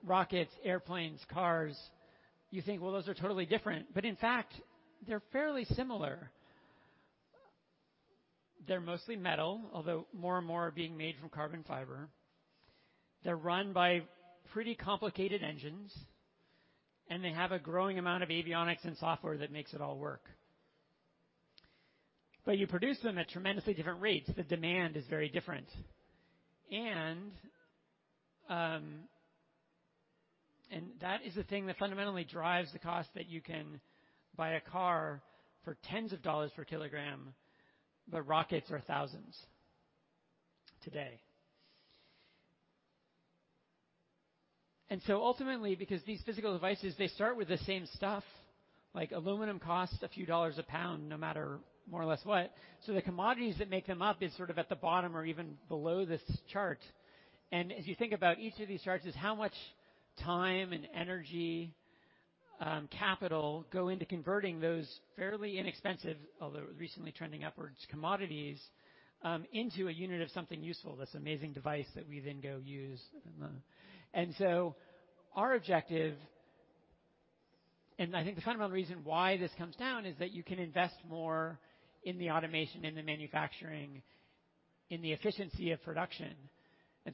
rockets, airplanes, cars, you think, "Well, those are totally different." In fact, they're fairly similar. They're mostly metal, although more and more are being made from carbon fiber. They're run by pretty complicated engines, and they have a growing amount of avionics and software that makes it all work. You produce them at tremendously different rates. The demand is very different. That is the thing that fundamentally drives the cost that you can buy a car for 10s of dollars per kilogram, but rockets are thousands today. Ultimately, because these physical devices, they start with the same stuff, like aluminum costs a few dollars a pound, no matter more or less what. The commodities that make them up is sort of at the bottom or even below this chart. As you think about each of these charts is how much time and energy, capital go into converting those fairly inexpensive, although recently trending upwards, commodities, into a unit of something useful, this amazing device that we then go use. Our objective, and I think the fundamental reason why this comes down is that you can invest more in the automation, in the manufacturing, in the efficiency of production.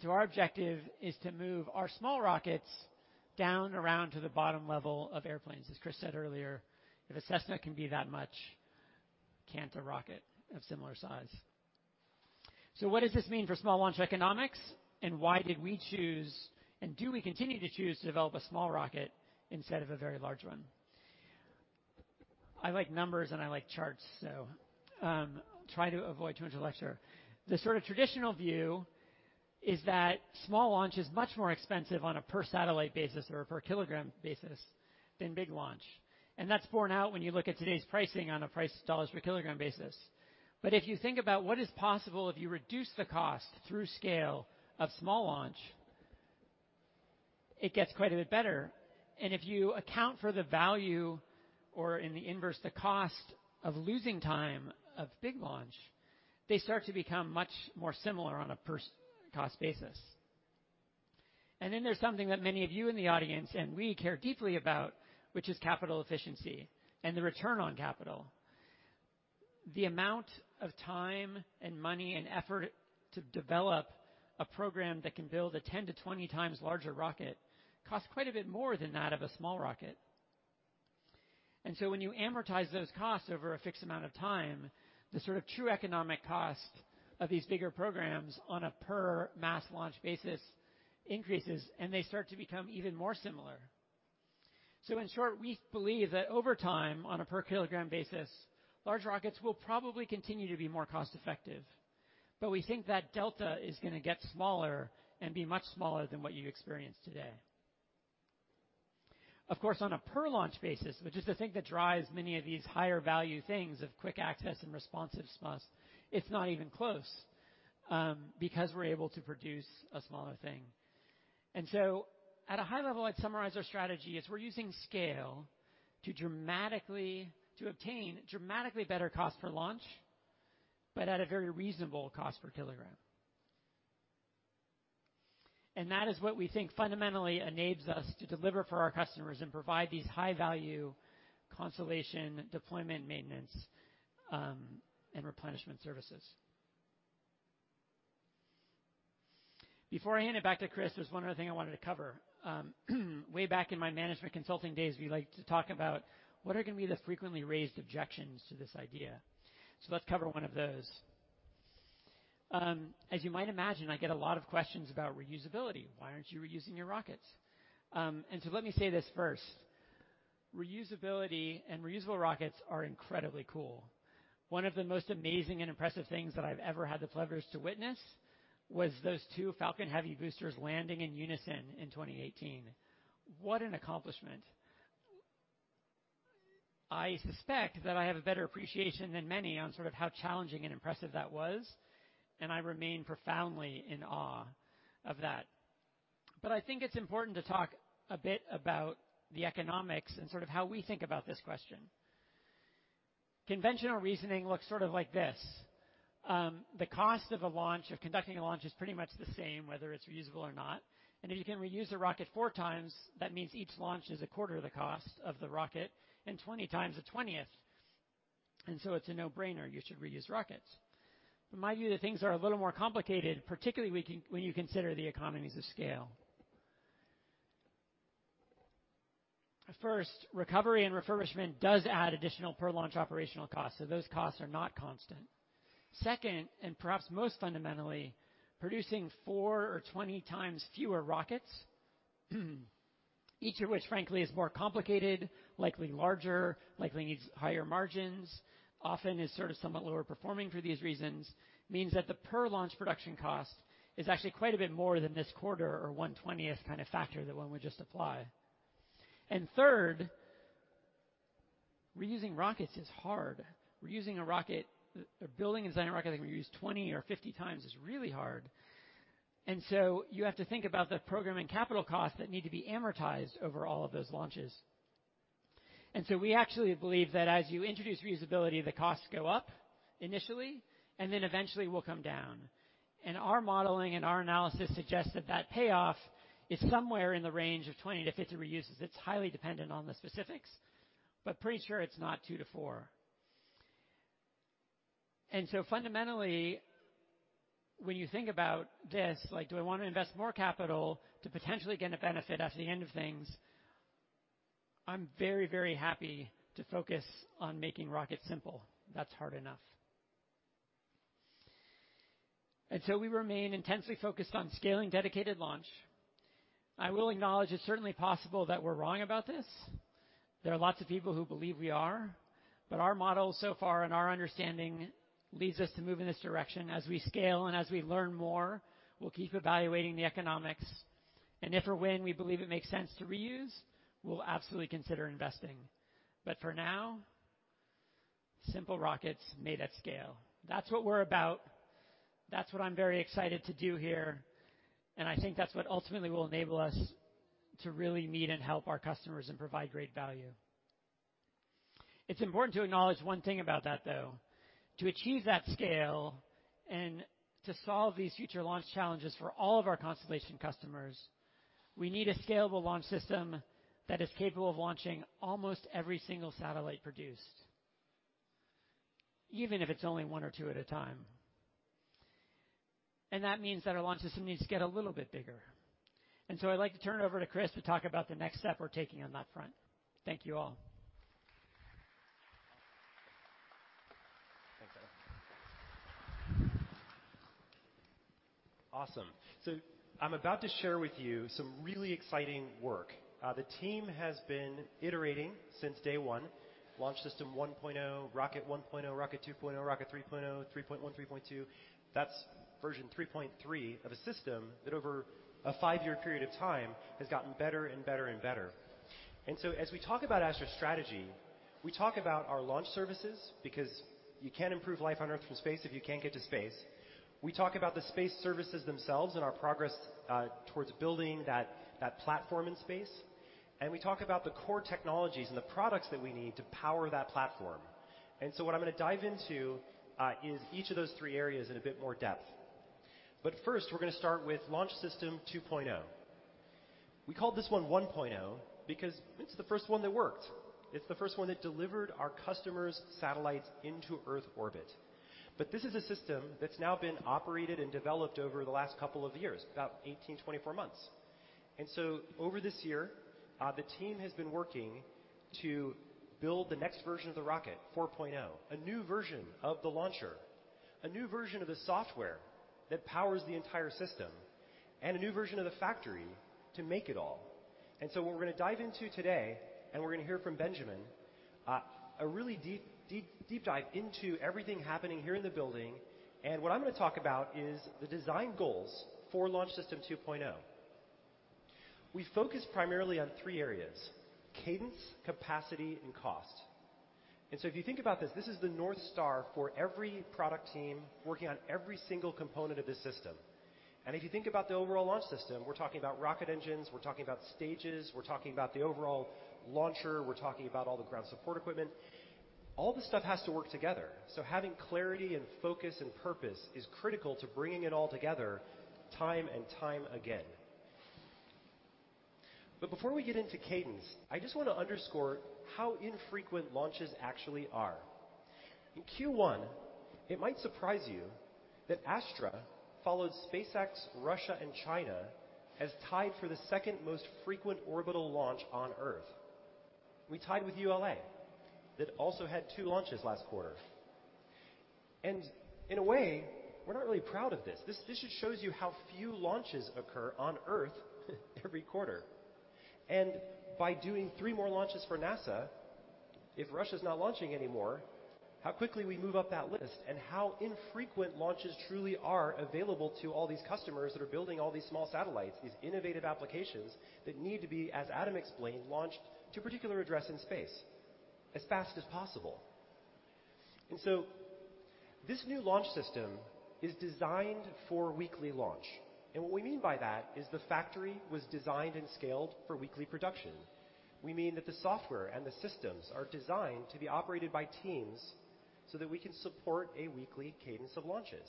Our objective is to move our small rockets down around to the bottom level of airplanes. As Chris said earlier, if a Cessna can be that much, can't a rocket of similar size? What does this mean for small launch economics? Why did we choose, and do we continue to choose to develop a small rocket instead of a very large one? I like numbers, and I like charts, so, try to avoid too much lecture. The sort of traditional view is that small launch is much more expensive on a per satellite basis or per kilogram basis than big launch. That's borne out when you look at today's pricing on a price dollars per kilogram basis. If you think about what is possible, if you reduce the cost through scale of small launch, it gets quite a bit better. If you account for the value or in the inverse, the cost of losing time of big launch, they start to become much more similar on a per cost basis. Then there's something that many of you in the audience, and we care deeply about, which is capital efficiency and the return on capital. The amount of time and money and effort to develop a program that can build a 10x-20x larger rocket costs quite a bit more than that of a small rocket. When you amortize those costs over a fixed amount of time, the sort of true economic cost of these bigger programs on a per mass launch basis increases, and they start to become even more similar. In short, we believe that over time, on a per kilogram basis, large rockets will probably continue to be more cost-effective. We think that delta is gonna get smaller and be much smaller than what you experience today. Of course, on a per-launch basis, which is the thing that drives many of these higher value things of quick access and responsive SMAs, it's not even close, because we're able to produce a smaller thing. At a high level, I'd summarize our strategy as we're using scale to obtain dramatically better cost per launch, but at a very reasonable cost per kilogram. That is what we think fundamentally enables us to deliver for our customers and provide these high-value constellation deployment, maintenance, and replenishment services. Before I hand it back to Chris, there's one other thing I wanted to cover. Way back in my management consulting days, we liked to talk about what are gonna be the frequently raised objections to this idea. Let's cover one of those. As you might imagine, I get a lot of questions about reusability. Why aren't you reusing your rockets? Let me say this first. Reusability and reusable rockets are incredibly cool. One of the most amazing and impressive things that I've ever had the pleasure to witness was those two Falcon Heavy boosters landing in unison in 2018. What an accomplishment. I suspect that I have a better appreciation than many on sort of how challenging and impressive that was, and I remain profoundly in awe of that. I think it's important to talk a bit about the economics and sort of how we think about this question. Conventional reasoning looks sort of like this. The cost of a launch, of conducting a launch is pretty much the same, whether it's reusable or not. If you can reuse a rocket four times, that means each launch is a quarter of the cost of the rocket, and 20x a 20th. It's a no-brainer. You should reuse rockets. In my view, things are a little more complicated, particularly when you consider the economies of scale. First, recovery and refurbishment does add additional per-launch operational costs, so those costs are not constant. Second, and perhaps most fundamentally, producing four or 20x fewer rockets, each of which, frankly, is more complicated, likely larger, likely needs higher margins, often is sort of somewhat lower performing for these reasons, means that the per-launch production cost is actually quite a bit more than this 1/20 kind of factor that one would just apply. Third, reusing rockets is hard. Or building and designing a rocket that can be used 20 or 50x is really hard. You have to think about the program and capital costs that need to be amortized over all of those launches. We actually believe that as you introduce reusability, the costs go up initially and then eventually will come down. Our modeling and our analysis suggests that that payoff is somewhere in the range of 20-50 reuses. It's highly dependent on the specifics, but pretty sure it's not two to four. Fundamentally, when you think about this, like, do I wanna invest more capital to potentially get a benefit at the end of things? I'm very, very happy to focus on making rockets simple. That's hard enough. We remain intensely focused on scaling dedicated launch. I will acknowledge it's certainly possible that we're wrong about this. There are lots of people who believe we are, but our model so far and our understanding leads us to move in this direction. As we scale and as we learn more, we'll keep evaluating the economics. If or when we believe it makes sense to reuse, we'll absolutely consider investing. For now, simple rockets made at scale. That's what we're about. That's what I'm very excited to do here, and I think that's what ultimately will enable us to really meet and help our customers and provide great value. It's important to acknowledge one thing about that, though. To achieve that scale and to solve these future launch challenges for all of our constellation customers, we need a scalable launch system that is capable of launching almost every single satellite produced, even if it's only one or two at a time. That means that our launch system needs to get a little bit bigger. I'd like to turn it over to Chris to talk about the next step we're taking on that front. Thank you all. Thanks, Adam. Awesome. I'm about to share with you some really exciting work. The team has been iterating since day one, launch system 1.0, rocket 1.0, rocket 2.0, rocket 3.0, 3.1, 3.2. That's version 3.3 of a system that over a five-year period of time has gotten better and better and better. As we talk about Astra's strategy, we talk about our launch services because you can't improve life on Earth from space if you can't get to space. We talk about the space services themselves and our progress towards building that platform in space. We talk about the core technologies and the products that we need to power that platform. What I'm gonna dive into is each of those three areas in a bit more depth. First, we're gonna start with Launch System 2.0. We call this one 1.0 because it's the first one that worked. It's the first one that delivered our customers' satellites into Earth orbit. This is a system that's now been operated and developed over the last couple of years, about 18, 24 months. Over this year, the team has been working to build the next version of the Rocket 4.0, a new version of the launcher, a new version of the software that powers the entire system, and a new version of the factory to make it all. What we're gonna dive into today, and we're gonna hear from Benjamin, a really deep, deep, deep dive into everything happening here in the building. What I'm gonna talk about is the design goals for Launch System 2.0. We focus primarily on three areas, cadence, capacity, and cost. If you think about this is the North Star for every product team working on every single component of this system. If you think about the overall launch system, we're talking about rocket engines, we're talking about stages, we're talking about the overall launcher, we're talking about all the ground support equipment. All this stuff has to work together, so having clarity and focus and purpose is critical to bringing it all together time and time again. Before we get into cadence, I just wanna underscore how infrequent launches actually are. In Q1, it might surprise you that Astra followed SpaceX, Russia, and China as tied for the second most frequent orbital launch on Earth. We tied with ULA that also had two launches last quarter. In a way, we're not really proud of this. This just shows you how few launches occur on Earth every quarter. By doing three more launches for NASA, if Russia's not launching anymore, how quickly we move up that list and how infrequent launches truly are available to all these customers that are building all these small satellites, these innovative applications that need to be, as Adam explained, launched to a particular address in space as fast as possible. This new launch system is designed for weekly launch. What we mean by that is the factory was designed and scaled for weekly production. We mean that the software and the systems are designed to be operated by teams so that we can support a weekly cadence of launches.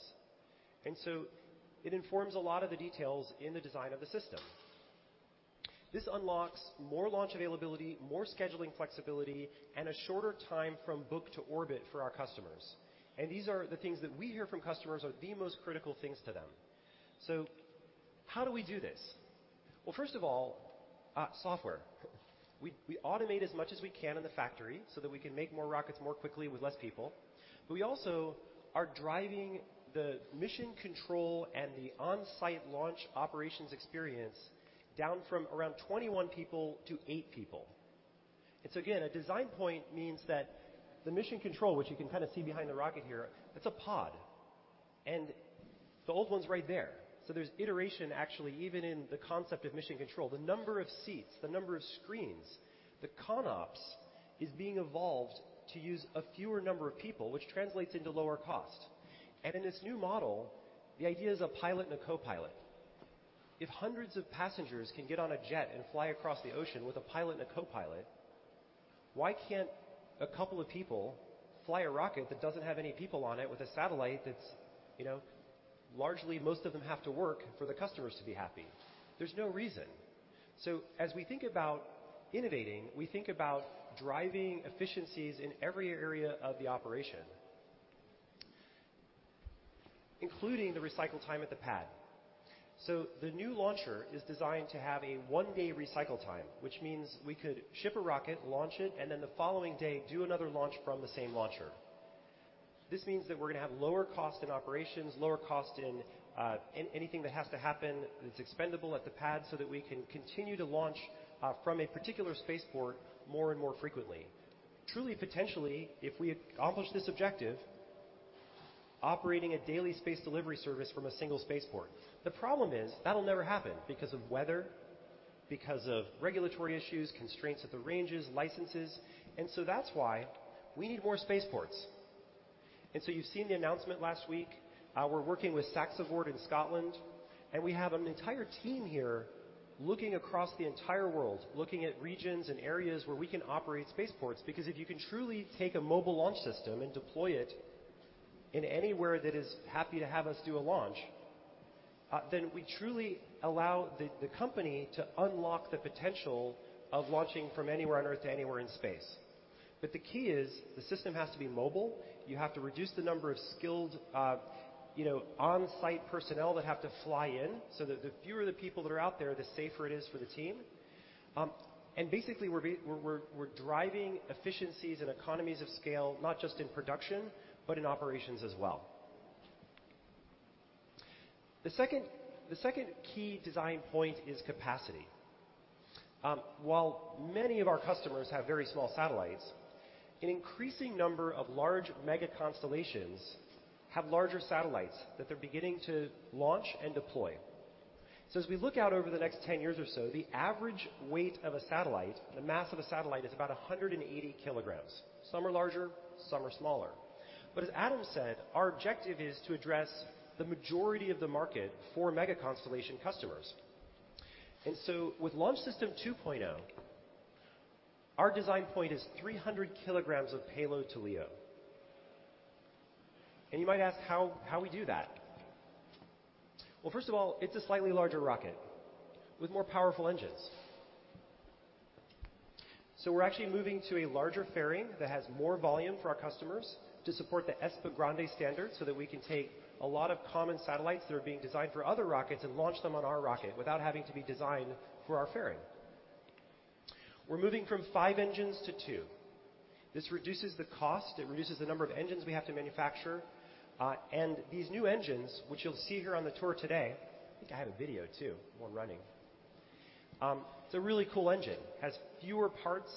It informs a lot of the details in the design of the system. This unlocks more launch availability, more scheduling flexibility, and a shorter time from book to orbit for our customers. These are the things that we hear from customers are the most critical things to them. How do we do this? First of all, software. We automate as much as we can in the factory so that we can make more rockets more quickly with less people. We also are driving the mission control and the on-site launch operations experience down from around 21 people to eight people. Again, a design point means that the mission control, which you can kind of see behind the rocket here, it's a pod. The old one's right there. There's iteration actually even in the concept of mission control. The number of seats, the number of screens, the ConOps is being evolved to use a fewer number of people, which translates into lower cost. In this new model, the idea is a pilot and a co-pilot. If hundreds of passengers can get on a jet and fly across the ocean with a pilot and a co-pilot, why can't a couple of people fly a rocket that doesn't have any people on it with a satellite that's, you know, largely most of them have to work for the customers to be happy? There's no reason. As we think about innovating, we think about driving efficiencies in every area of the operation, including the recycle time at the pad. The new launcher is designed to have a one-day recycle time, which means we could ship a rocket, launch it, and then the following day do another launch from the same launcher. This means that we're gonna have lower cost in operations, lower cost in anything that has to happen that's expendable at the pad so that we can continue to launch from a particular spaceport more and more frequently. Truly, potentially, if we accomplish this objective, operating a daily space delivery service from a single spaceport. The problem is that'll never happen because of weather, because of regulatory issues, constraints of the ranges, licenses, and so that's why we need more spaceports. You've seen the announcement last week. We're working with SaxaVord in Scotland, and we have an entire team here looking across the entire world, looking at regions and areas where we can operate spaceports. Because if you can truly take a mobile launch system and deploy it anywhere that is happy to have us do a launch, then we truly allow the company to unlock the potential of launching from anywhere on Earth to anywhere in space. The key is the system has to be mobile. You have to reduce the number of skilled, you know, on-site personnel that have to fly in, so that the fewer the people that are out there, the safer it is for the team. Basically we're driving efficiencies and economies of scale, not just in production, but in operations as well. The second key design point is capacity. While many of our customers have very small satellites, an increasing number of large mega constellations have larger satellites that they're beginning to launch and deploy. As we look out over the next 10 years or so, the average weight of a satellite, the mass of a satellite, is about 180 kilograms. Some are larger, some are smaller. As Adam said, our objective is to address the majority of the market for mega constellation customers. With Launch System 2.0, our design point is 300 kilograms of payload to LEO. You might ask how we do that. Well, first of all, it's a slightly larger rocket with more powerful engines. We're actually moving to a larger fairing that has more volume for our customers to support the ESPA Grande standard, so that we can take a lot of common satellites that are being designed for other rockets and launch them on our rocket without having to be designed for our fairing. We're moving from five engines to two. This reduces the cost, it reduces the number of engines we have to manufacture. And these new engines, which you'll see here on the tour today, I think I have a video too, one running. It's a really cool engine. Has fewer parts.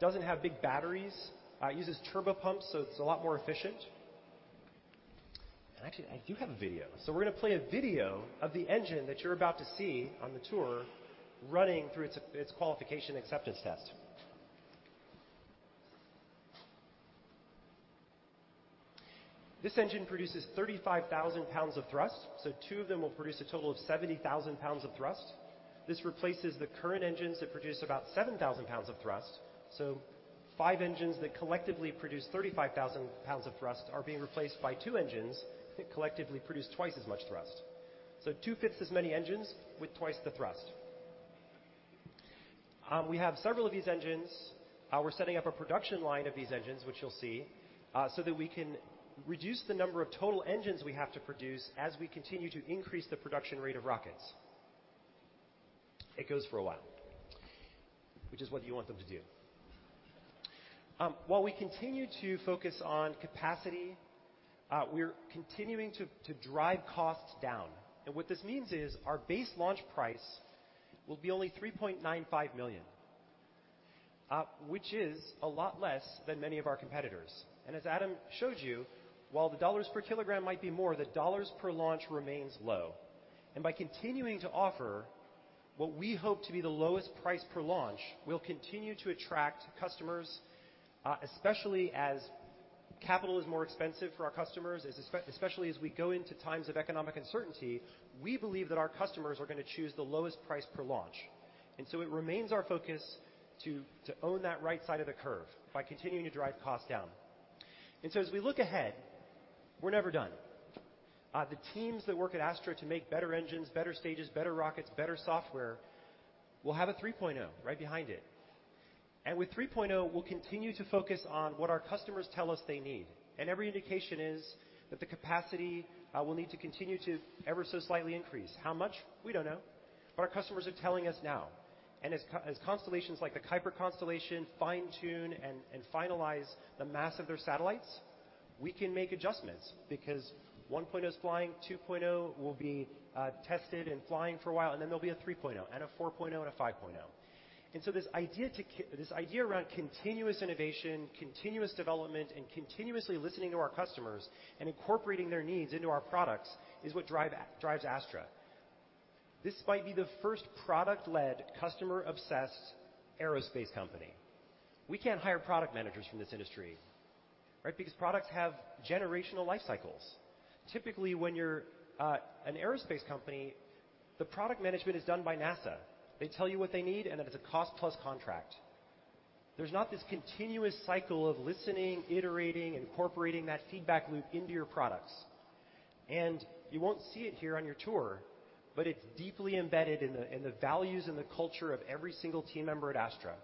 Doesn't have big batteries. It uses turbo pumps, so it's a lot more efficient. Actually, I do have a video. We're gonna play a video of the engine that you're about to see on the tour running through its qualification acceptance test. This engine produces 35,000 pounds of thrust, so two of them will produce a total of 70,000 pounds of thrust. This replaces the current engines that produce about 7,000 pounds of thrust. Five engines that collectively produce 35,000 pounds of thrust are being replaced by two engines that collectively produce twice as much thrust. Two-fifths as many engines with twice the thrust. We have several of these engines. We're setting up a production line of these engines, which you'll see, so that we can reduce the number of total engines we have to produce as we continue to increase the production rate of rockets. It goes for a while, which is what you want them to do. While we continue to focus on capacity, we're continuing to drive costs down. What this means is our base launch price will be only $3.95 million, which is a lot less than many of our competitors. As Adam showed you, while the dollars per kilogram might be more, the dollars per launch remains low. By continuing to offer what we hope to be the lowest price per launch, we'll continue to attract customers, especially as capital is more expensive for our customers, especially as we go into times of economic uncertainty, we believe that our customers are gonna choose the lowest price per launch. It remains our focus to own that right side of the curve by continuing to drive cost down. As we look ahead, we're never done. The teams that work at Astra to make better engines, better stages, better rockets, better software will have a 3.0 right behind it. With 3.0, we'll continue to focus on what our customers tell us they need. Every indication is that the capacity will need to continue to ever so slightly increase. How much? We don't know. Our customers are telling us now. As constellations like the Kuiper constellation fine-tune and finalize the mass of their satellites, we can make adjustments because 1.0 is flying, 2.0 will be tested and flying for a while, and then there'll be a 3.0 and a 4.0 and a 5.0. This idea around continuous innovation, continuous development, and continuously listening to our customers and incorporating their needs into our products is what drives Astra. This might be the first product-led, customer-obsessed aerospace company. We can't hire product managers from this industry, right? Because products have generational life cycles. Typically, when you're an aerospace company, the product management is done by NASA. They tell you what they need, and then it's a cost plus contract. There's not this continuous cycle of listening, iterating, incorporating that feedback loop into your products. You won't see it here on your tour, but it's deeply embedded in the values and the culture of every single team member at Astra,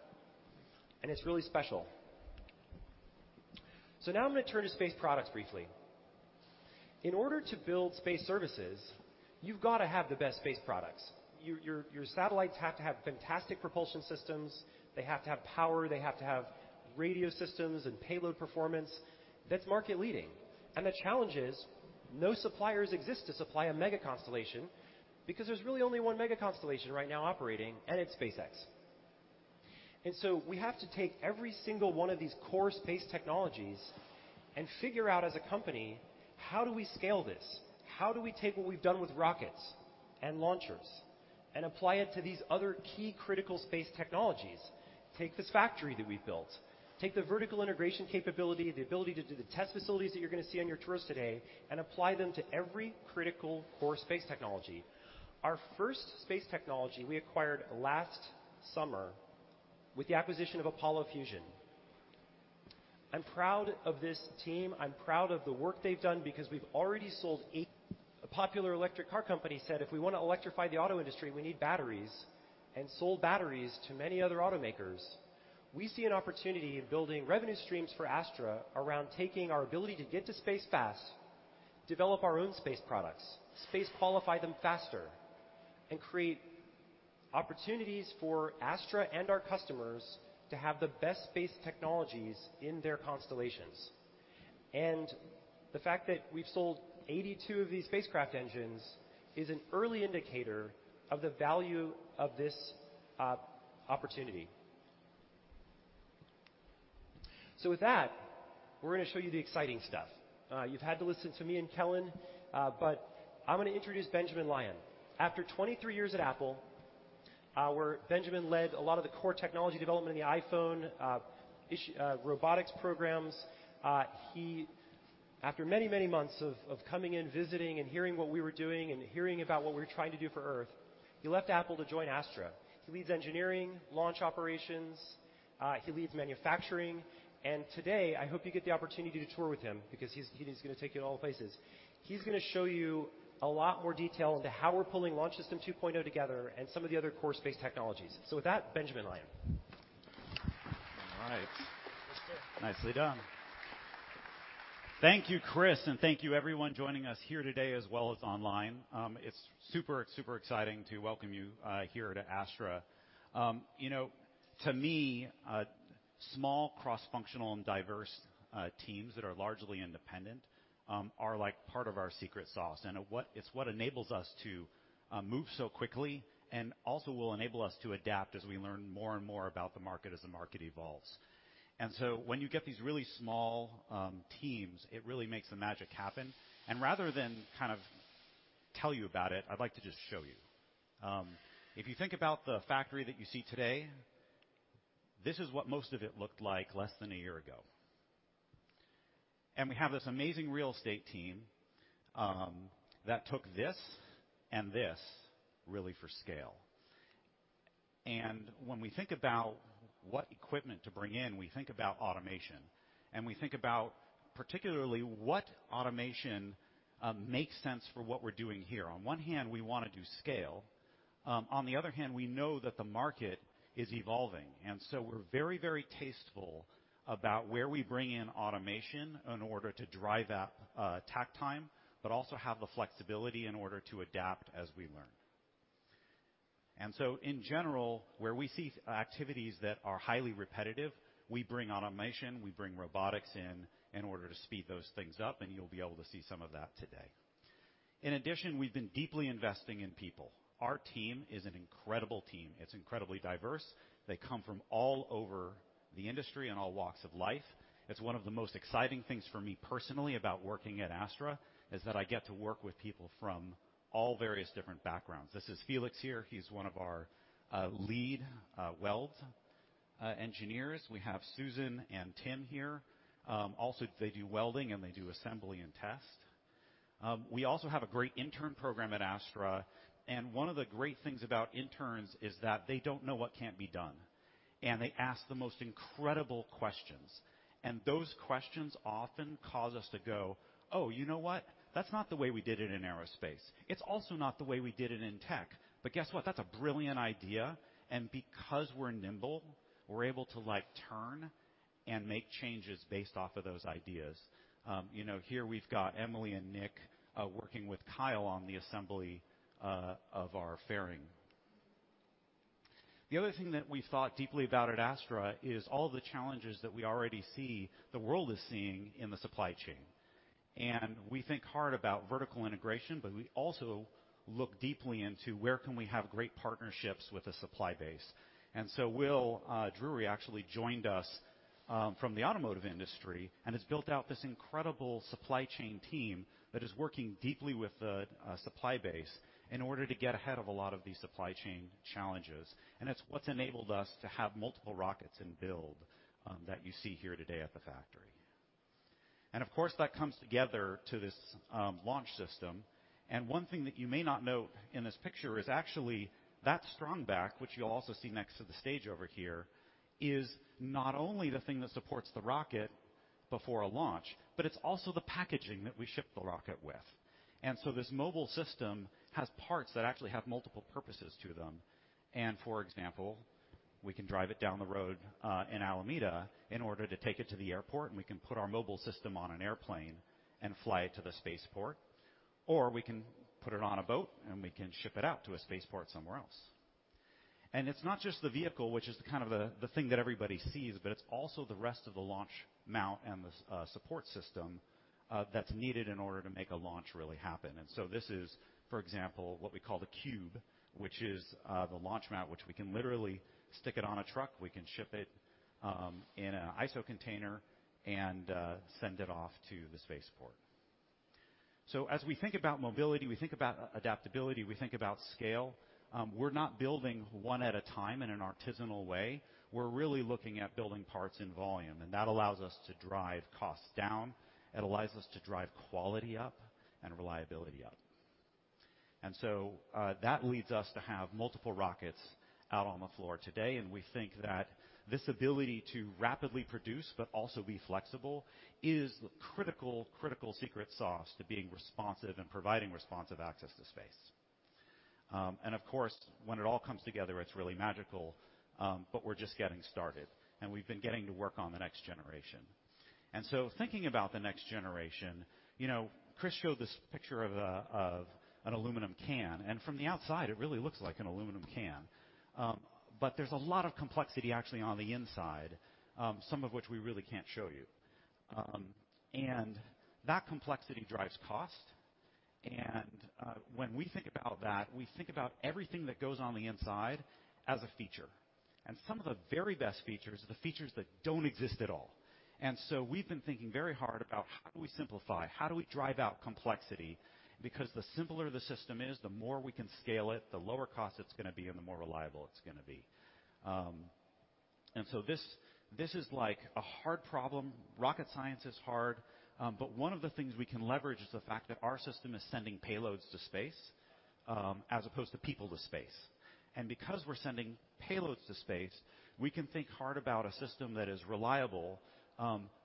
and it's really special. Now I'm gonna turn to space products briefly. In order to build space services, you've gotta have the best space products. Your satellites have to have fantastic propulsion systems. They have to have power. They have to have radio systems and payload performance that's market leading. The challenge is no suppliers exist to supply a mega constellation because there's really only one mega constellation right now operating, and it's SpaceX. We have to take every single one of these core space technologies and figure out as a company, how do we scale this? How do we take what we've done with rockets and launchers, and apply it to these other key critical space technologies? Take this factory that we've built, take the vertical integration capability, the ability to do the test facilities that you're gonna see on your tours today, and apply them to every critical core space technology. Our first space technology we acquired last summer with the acquisition of Apollo Fusion. I'm proud of this team. I'm proud of the work they've done because we've already sold. A popular electric car company said, "If we wanna electrify the auto industry, we need batteries," and sold batteries to many other automakers. We see an opportunity in building revenue streams for Astra around taking our ability to get to space fast, develop our own space products, space qualify them faster, and create opportunities for Astra and our customers to have the best space technologies in their constellations. The fact that we've sold 82 of these spacecraft engines is an early indicator of the value of this opportunity. With that, we're gonna show you the exciting stuff. You've had to listen to me and Kelyn, but I'm gonna introduce Benjamin Lyon. After 23 years at Apple, where Benjamin led a lot of the core technology development in the iPhone, robotics programs. After many months of coming in, visiting and hearing what we were doing and hearing about what we were trying to do for Earth, he left Apple to join Astra. He leads engineering, launch operations. He leads manufacturing. Today, I hope you get the opportunity to tour with him because he's gonna take you to all the places. He's gonna show you a lot more detail into how we're pulling Launch System 2.0 together and some of the other core space technologies. With that, Benjamin Lyon. All right. Nicely done. Thank you, Chris, and thank you everyone joining us here today as well as online. It's super exciting to welcome you here to Astra. You know, to me, small cross-functional and diverse teams that are largely independent are like part of our secret sauce. It's what enables us to move so quickly and also will enable us to adapt as we learn more and more about the market as the market evolves. When you get these really small teams, it really makes the magic happen. Rather than kind of tell you about it, I'd like to just show you. If you think about the factory that you see today, this is what most of it looked like less than a year ago. We have this amazing real estate team that took this and this really for scale. When we think about what equipment to bring in, we think about automation, and we think about particularly what automation makes sense for what we're doing here. On one hand, we wanna do scale. On the other hand, we know that the market is evolving. We're very, very tasteful about where we bring in automation in order to drive that tack time, but also have the flexibility in order to adapt as we learn. In general, where we see activities that are highly repetitive, we bring automation, we bring robotics in in order to speed those things up, and you'll be able to see some of that today. In addition, we've been deeply investing in people. Our team is an incredible team. It's incredibly diverse. They come from all over the industry and all walks of life. It's one of the most exciting things for me personally about working at Astra, is that I get to work with people from all various different backgrounds. This is Felix here. He's one of our lead weld engineers. We have Susan and Tim here. Also, they do welding, and they do assembly and test. We also have a great intern program at Astra, and one of the great things about interns is that they don't know what can't be done, and they ask the most incredible questions. Those questions often cause us to go, "Oh, you know what? That's not the way we did it in aerospace. It's also not the way we did it in tech. But guess what? That's a brilliant idea." Because we're nimble, we're able to, like, turn and make changes based off of those ideas. You know, here we've got Emily and Nick working with Kyle on the assembly of our fairing. The other thing that we thought deeply about at Astra is all the challenges that we already see the world is seeing in the supply chain. We think hard about vertical integration, but we also look deeply into where can we have great partnerships with the supply base. Will Drewery actually joined us from the automotive industry and has built out this incredible supply chain team that is working deeply with the supply base in order to get ahead of a lot of these supply chain challenges. It's what's enabled us to have multiple rockets in build that you see here today at the factory. Of course, that comes together to this launch system. One thing that you may not know in this picture is actually that strongback, which you'll also see next to the stage over here, is not only the thing that supports the rocket before a launch, but it's also the packaging that we ship the rocket with. This mobile system has parts that actually have multiple purposes to them. For example, we can drive it down the road in Alameda in order to take it to the airport, and we can put our mobile system on an airplane and fly it to the spaceport, or we can put it on a boat, and we can ship it out to a spaceport somewhere else. It's not just the vehicle, which is kind of the thing that everybody sees, but it's also the rest of the launch mount and the support system that's needed in order to make a launch really happen. This is, for example, what we call the cube, which is the launch mount, which we can literally stick it on a truck. We can ship it in an ISO container and send it off to the spaceport. As we think about mobility, we think about adaptability, we think about scale, we're not building one at a time in an artisanal way. We're really looking at building parts in volume, and that allows us to drive costs down. It allows us to drive quality up and reliability up. That leads us to have multiple rockets out on the floor today, and we think that this ability to rapidly produce but also be flexible is the critical secret sauce to being responsive and providing responsive access to space. Of course, when it all comes together, it's really magical, but we're just getting started, and we've been getting to work on the next generation. Thinking about the next generation, you know, Chris showed this picture of an aluminum can, and from the outside, it really looks like an aluminum can. But there's a lot of complexity actually on the inside, some of which we really can't show you. That complexity drives cost. When we think about that, we think about everything that goes on the inside as a feature. Some of the very best features are the features that don't exist at all. We've been thinking very hard about how do we simplify, how do we drive out complexity? Because the simpler the system is, the more we can scale it, the lower cost it's gonna be, and the more reliable it's gonna be. This is like a hard problem. Rocket science is hard. One of the things we can leverage is the fact that our system is sending payloads to space, as opposed to people to space. Because we're sending payloads to space, we can think hard about a system that is reliable,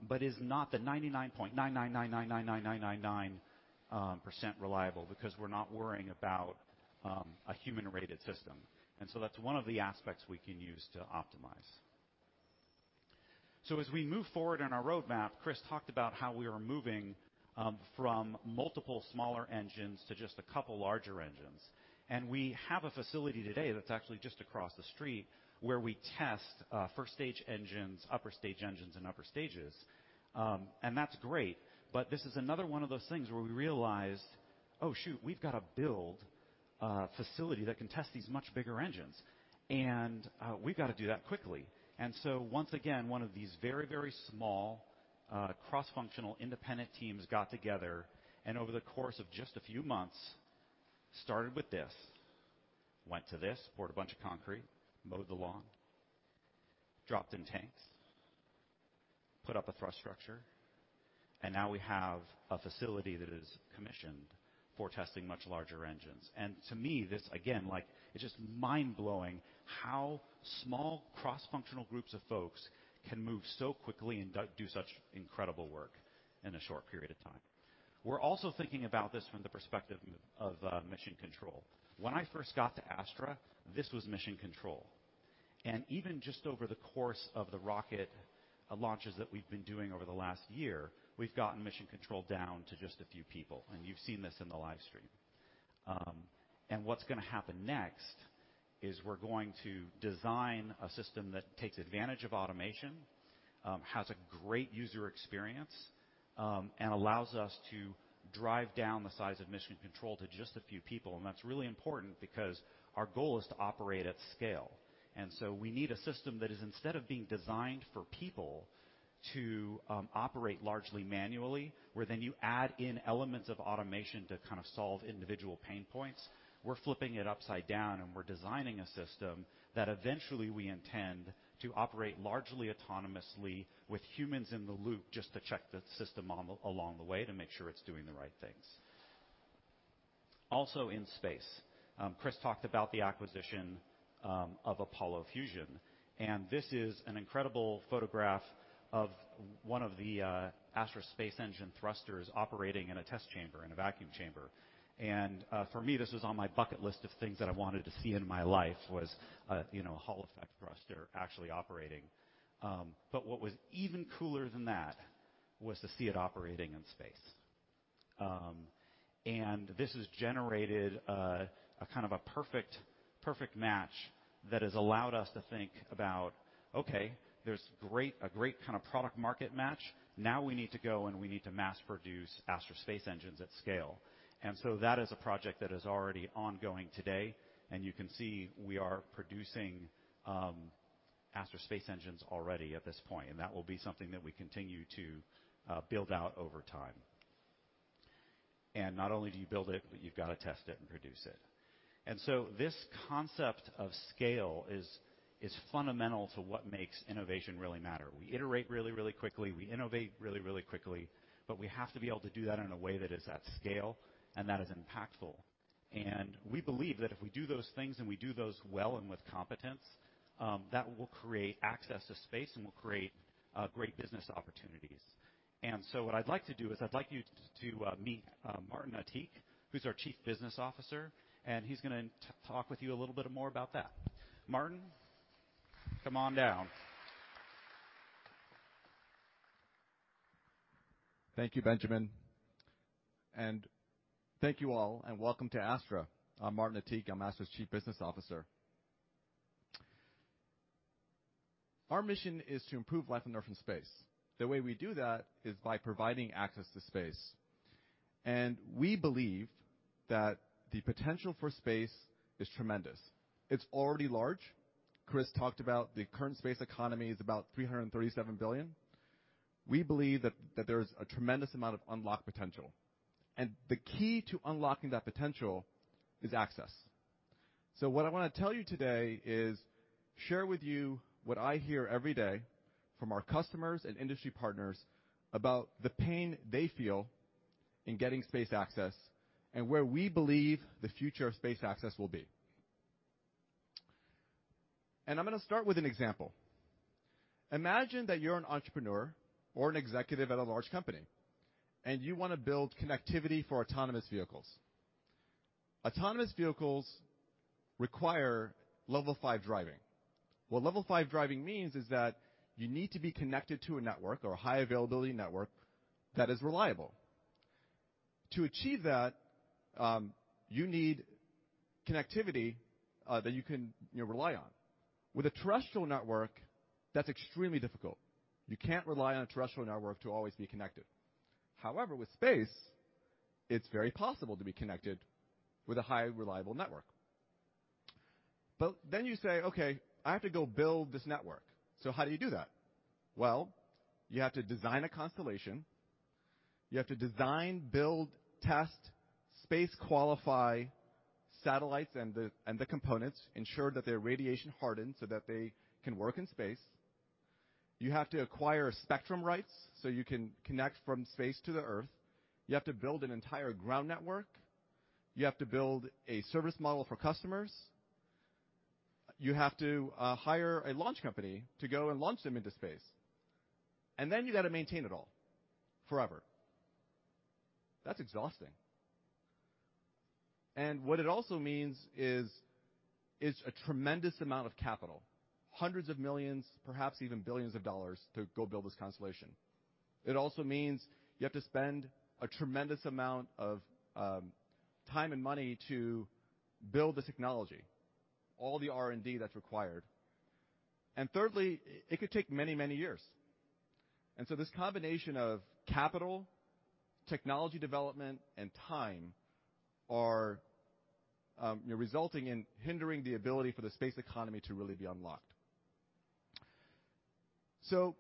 but is not the 99.999999999% reliable because we're not worrying about a human-rated system. That's one of the aspects we can use to optimize. As we move forward on our roadmap, Chris talked about how we are moving from multiple smaller engines to just a couple larger engines. We have a facility today that's actually just across the street, where we test first stage engines, upper stage engines and upper stages. That's great, but this is another one of those things where we realized, "Oh, shoot, we've got to build a facility that can test these much bigger engines, and we've got to do that quickly." Once again, one of these very, very small cross-functional independent teams got together and over the course of just a few months, started with this, went to this, poured a bunch of concrete, mowed the lawn, dropped in tanks, put up a thrust structure, and now we have a facility that is commissioned for testing much larger engines. To me, this again, like it's just mind-blowing how small cross-functional groups of folks can move so quickly and do such incredible work in a short period of time. We're also thinking about this from the perspective of mission control. When I first got to Astra, this was mission control. Even just over the course of the rocket launches that we've been doing over the last year, we've gotten mission control down to just a few people, and you've seen this in the live stream. What's gonna happen next is we're going to design a system that takes advantage of automation, has a great user experience, and allows us to drive down the size of mission control to just a few people. That's really important because our goal is to operate at scale. We need a system that is instead of being designed for people to operate largely manually, where then you add in elements of automation to kind of solve individual pain points. We're flipping it upside down, and we're designing a system that eventually we intend to operate largely autonomously with humans in the loop just to check the system along the way to make sure it's doing the right things. Also in space, Chris talked about the acquisition of Apollo Fusion, and this is an incredible photograph of one of the Astra satellite engine thrusters operating in a test chamber, in a vacuum chamber. For me, this was on my bucket list of things that I wanted to see in my life was you know a Hall effect thruster actually operating. What was even cooler than that was to see it operating in space. This has generated a kind of a perfect match that has allowed us to think about, okay, there's a great kind of product market match. Now we need to go, and we need to mass produce Astra spacecraft engines at scale. That is a project that is already ongoing today. You can see we are producing Astra spacecraft engines already at this point, and that will be something that we continue to build out over time. Not only do you build it, but you've got to test it and produce it. This concept of scale is fundamental to what makes innovation really matter. We iterate really quickly. We innovate really quickly. We have to be able to do that in a way that is at scale and that is impactful. We believe that if we do those things and we do those well and with competence, that will create access to space and will create great business opportunities. What I'd like to do is I'd like you to meet Martin Attiq, who's our Chief Business Officer, and he's gonna talk with you a little bit more about that. Martin, come on down. Thank you, Benjamin, and thank you all and welcome to Astra. I'm Martin Attiq. I'm Astra's Chief Business Officer. Our mission is to improve life on Earth and space. The way we do that is by providing access to space. We believe that the potential for space is tremendous. It's already large. Chris talked about the current space economy is about $337 billion. We believe that there's a tremendous amount of unlocked potential, and the key to unlocking that potential is access. What I wanna tell you today is share with you what I hear every day from our customers and industry partners about the pain they feel in getting space access and where we believe the future of space access will be. I'm gonna start with an example. Imagine that you're an entrepreneur or an executive at a large company, and you wanna build connectivity for autonomous vehicles. Autonomous vehicles require level five driving. What level five driving means is that you need to be connected to a network or a high availability network that is reliable. To achieve that, you need connectivity that you can, you know, rely on. With a terrestrial network, that's extremely difficult. You can't rely on a terrestrial network to always be connected. However, with space, it's very possible to be connected with a high reliable network. You say, "Okay, I have to go build this network." How do you do that? Well, you have to design a constellation. You have to design, build, test, space qualify satellites and the components, ensure that they're radiation hardened so that they can work in space. You have to acquire spectrum rights so you can connect from space to the Earth. You have to build an entire ground network. You have to build a service model for customers. You have to hire a launch company to go and launch them into space. Then you gotta maintain it all forever. That's exhausting. What it also means is a tremendous amount of capital, $100s of millions, perhaps even billions dollars to go build this constellation. It also means you have to spend a tremendous amount of time and money to build this technology, all the R&D that's required. Thirdly, it could take many, many years. This combination of capital, technology development, and time are, you know, resulting in hindering the ability for the space economy to really be unlocked.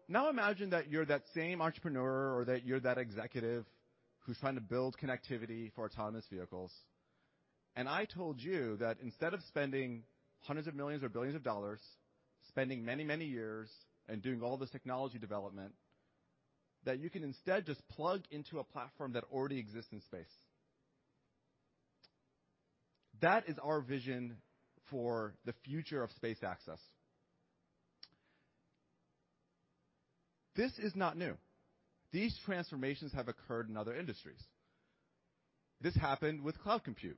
Now imagine that you're that same entrepreneur or that you're that executive who's trying to build connectivity for autonomous vehicles, and I told you that instead of spending $100s of millions or billions, spending many, many years and doing all this technology development, that you can instead just plug into a platform that already exists in space. That is our vision for the future of space access. This is not new. These transformations have occurred in other industries. This happened with cloud compute.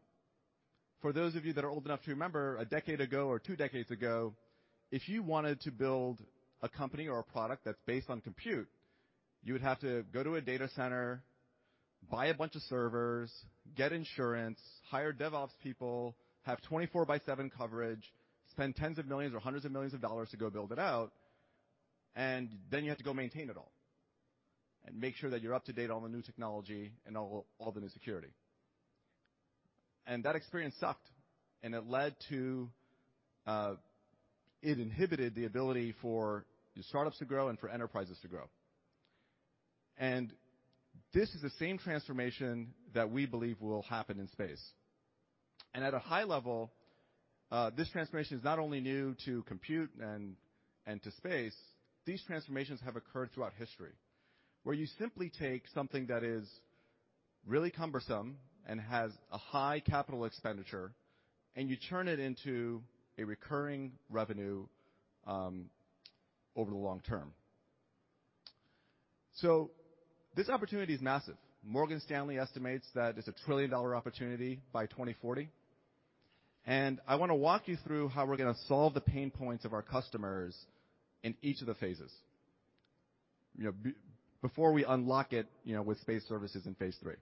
For those of you that are old enough to remember, a decade ago or two decades ago, if you wanted to build a company or a product that's based on compute, you would have to go to a data center, buy a bunch of servers, get insurance, hire DevOps people, have 24 by seven coverage, spend $10s of millions or $100s of millions to go build it out, and then you have to go maintain it all and make sure that you're up to date on the new technology and all the new security. That experience sucked, and it led to. It inhibited the ability for startups to grow and for enterprises to grow. This is the same transformation that we believe will happen in space. At a high level, this transformation is not only new to compute and to space. These transformations have occurred throughout history, where you simply take something that is really cumbersome and has a high capital expenditure, and you turn it into a recurring revenue over the long term. This opportunity is massive. Morgan Stanley estimates that it's a trillion-dollar opportunity by 2040. I wanna walk you through how we're gonna solve the pain points of our customers in each of the phases. You know, before we unlock it, you know, with space services in phase three.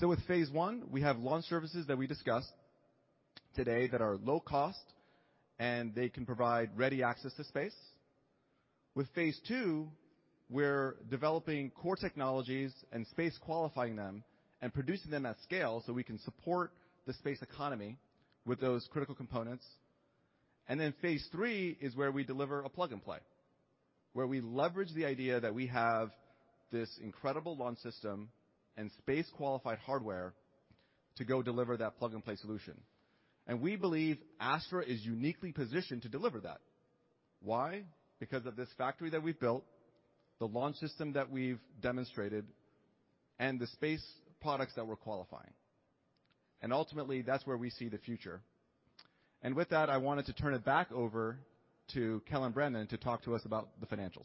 With phase one, we have launch services that we discussed today that are low cost, and they can provide ready access to space. With phase two, we're developing core technologies and space qualifying them and producing them at scale so we can support the space economy with those critical components. Phase 3 is where we deliver a plug-and-play, where we leverage the idea that we have this incredible launch system and space qualified hardware to go deliver that plug-and-play solution. We believe Astra is uniquely positioned to deliver that. Why? Because of this factory that we've built, the launch system that we've demonstrated, and the space products that we're qualifying. Ultimately, that's where we see the future. With that, I wanted to turn it back over to Kelyn Brannon to talk to us about the financials.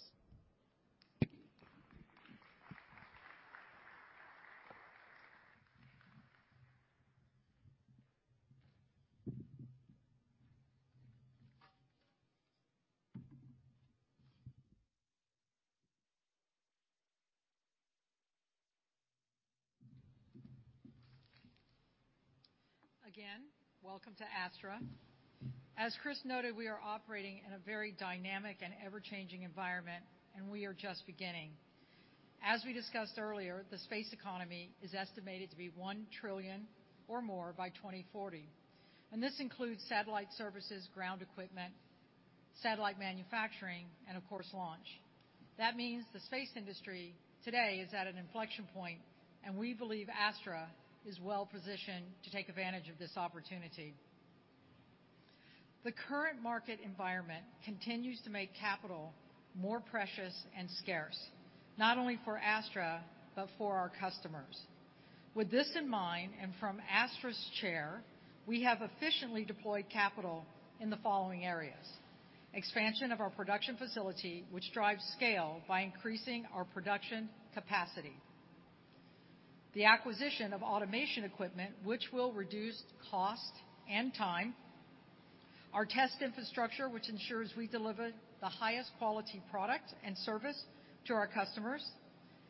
Again, welcome to Astra. As Chris noted, we are operating in a very dynamic and ever-changing environment, and we are just beginning. As we discussed earlier, the space economy is estimated to be $1 trillion or more by 2040, and this includes satellite services, ground equipment, satellite manufacturing, and of course, launch. That means the space industry today is at an inflection point, and we believe Astra is well-positioned to take advantage of this opportunity. The current market environment continues to make capital more precious and scarce, not only for Astra, but for our customers. With this in mind, and from Astra's chair, we have efficiently deployed capital in the following areas, expansion of our production facility, which drives scale by increasing our production capacity, the acquisition of automation equipment which will reduce cost and time, our test infrastructure which ensures we deliver the highest quality product and service to our customers,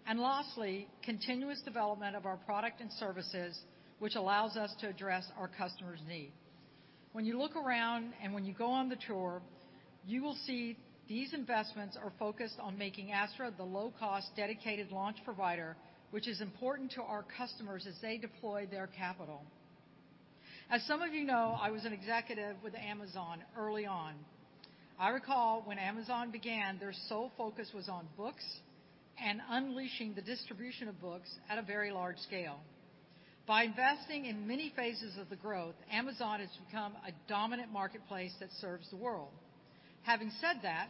and lastly, continuous development of our product and services, which allows us to address our customers' needs. When you look around and when you go on the tour, you will see these investments are focused on making Astra the low-cost dedicated launch provider, which is important to our customers as they deploy their capital. As some of you know, I was an executive with Amazon early on. I recall when Amazon began, their sole focus was on books and unleashing the distribution of books at a very large scale. By investing in many phases of the growth, Amazon has become a dominant marketplace that serves the world. Having said that,